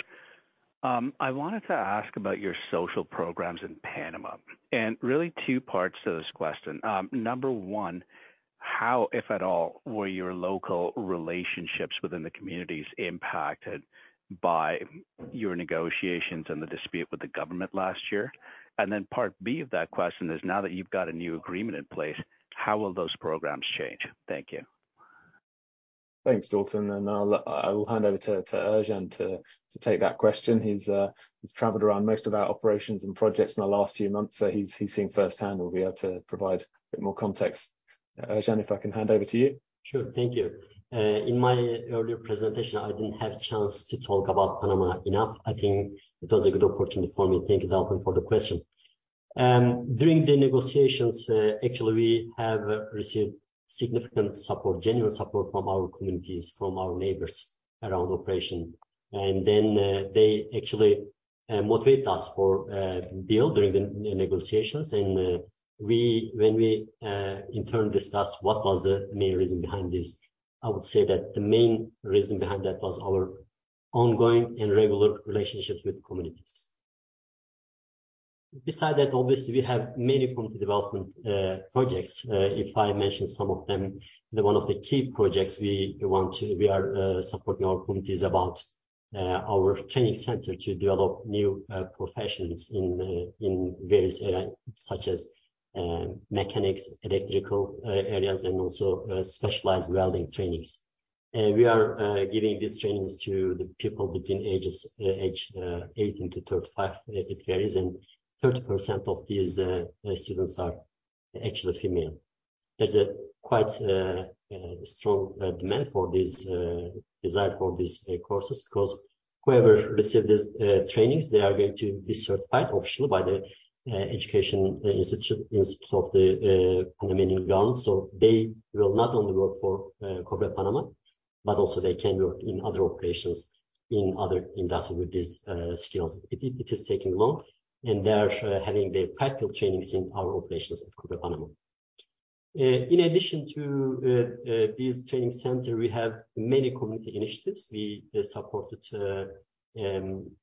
I wanted to ask about your social programs in Panamá, and really two parts to this question. Number one, how, if at all, were your local relationships within the communities impacted by your negotiations and the dispute with the government last year? Part B of that question is, now that you've got a new agreement in place, how will those programs change? Thank you. Thanks, Dalton. I'll, I will hand over to Ercan to take that question. He's traveled around most of our operations and projects in the last few months, so he's seen firsthand. He'll be able to provide a bit more context. Ercan, if I can hand over to you. Sure. Thank you. In my earlier presentation, I didn't have a chance to talk about Panamá enough. I think it was a good opportunity for me. Thank you, Dalton, for the question. During the negotiations, actually, we have received significant support, genuine support from our communities, from our neighbors around operation. They actually motivate us for deal during the negotiations. When we in turn discussed what was the main reason behind this, I would say that the main reason behind that was our ongoing and regular relationships with the communities. Besides that, obviously, we have many community development projects. If I mention some of them, one of the key projects we are supporting our communities about our training center to develop new professionals in various areas such as mechanics, electrical areas, and also specialized welding trainings. We are giving these trainings to the people between ages 18-35 years, and 30% of these students are actually female. There's a quite strong demand for this desire for these courses, because whoever receive these trainings, they are going to be certified officially by the Education Institute of the Panamánian Government. They will not only work for Cobre Panamá, but also they can work in other operations, in other industries with these skills. It is taking long. They are having their practical trainings in our operations at Cobre Panamá. In addition to this training center, we have many community initiatives. We supported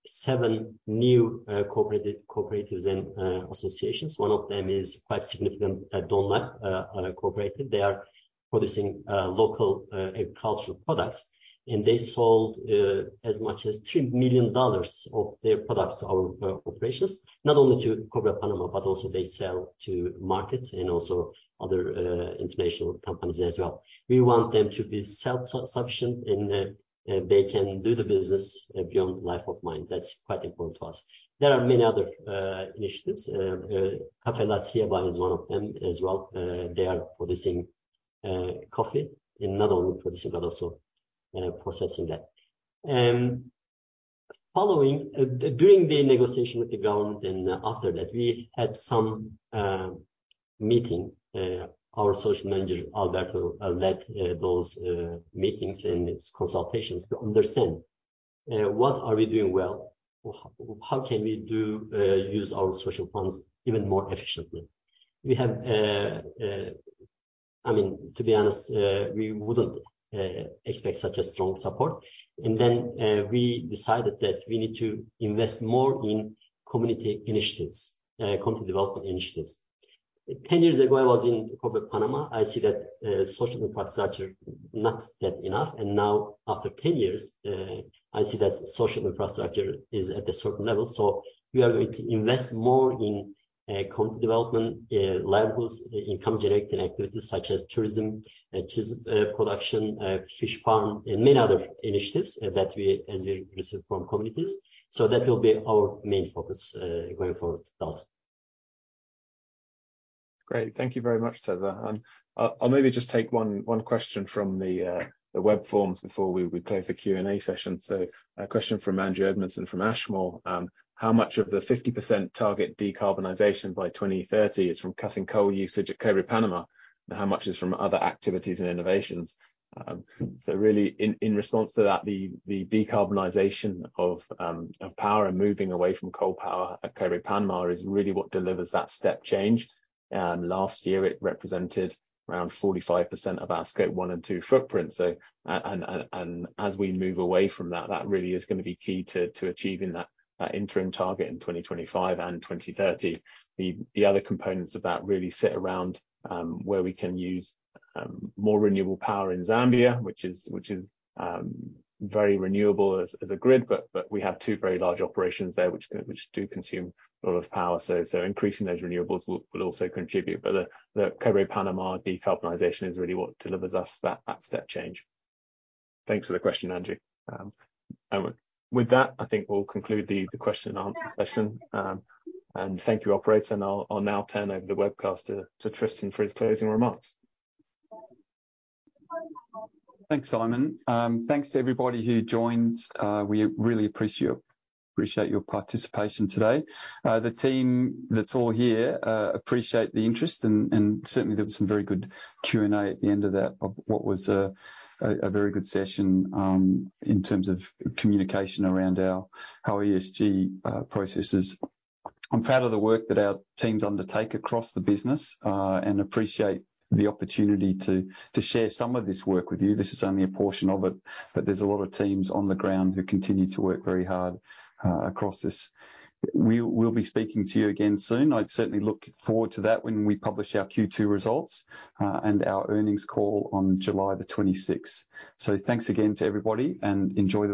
seven new cooperatives and associations. One of them is quite significant, DONLAP Cooperative. They are producing local agricultural products. They sold as much as $3 million of their products to our operations, not only to Cobre Panamá, but also they sell to markets and other international companies as well. We want them to be self-sufficient. They can do the business beyond the life of mine. That's quite important to us. There are many other initiatives. Cafe La Sierra is one of them as well. They are producing coffee, and not only producing, but also processing that. Following during the negotiation with the government and after that, we had some meeting, our social manager, Alberto, led those meetings and its consultations to understand what are we doing well, or how can we use our social funds even more efficiently? We have, I mean, to be honest, we wouldn't expect such a strong support. We decided that we need to invest more in community initiatives, community development initiatives. 10 years ago, I was in Cobre Panamá. I see that social infrastructure not yet enough, now after 10 years, I see that social infrastructure is at a certain level. We are going to invest more in community development, labels, income-generating activities such as tourism, production, fish farm, and many other initiatives that as we receive from communities. That will be our main focus, going forward with that. Great. Thank you very much, Teza. I'll maybe just take one question from the web forums before we close the Q&A session. A question from Andrew Edmondson from Ashmore. How much of the 50% target decarbonization by 2030 is from cutting coal usage at Cobre Panamá? And how much is from other activities and innovations? Really, in response to that, the decarbonization of power and moving away from coal power at Cobre Panamá is really what delivers that step change. Last year, it represented around 45% of our Scope 1 and 2 footprint. And as we move away from that really is gonna be key to achieving that interim target in 2025 and 2030. The other components of that really sit around where we can use more renewable power in Zambia, which is very renewable as a grid, but we have two very large operations there, which do consume a lot of power. Increasing those renewables will also contribute. The Cobre Panamá decarbonization is really what delivers us that step change. Thanks for the question, Andrew. With that, I think we'll conclude the question and answer session. Thank you, operator. I'll now turn over the webcast to Tristan for his closing remarks. Thanks, Simon. Thanks to everybody who joined. We really appreciate your participation today. The team that's all here, appreciate the interest, and certainly there was some very good Q&A at the end of that, of what was a very good session in terms of communication around our ESG processes. I'm proud of the work that our teams undertake across the business and appreciate the opportunity to share some of this work with you. This is only a portion of it, but there's a lot of teams on the ground who continue to work very hard across this. We'll be speaking to you again soon. I'd certainly look forward to that when we publish our Q2 results and our earnings call on July 26th. Thanks again to everybody, and enjoy the-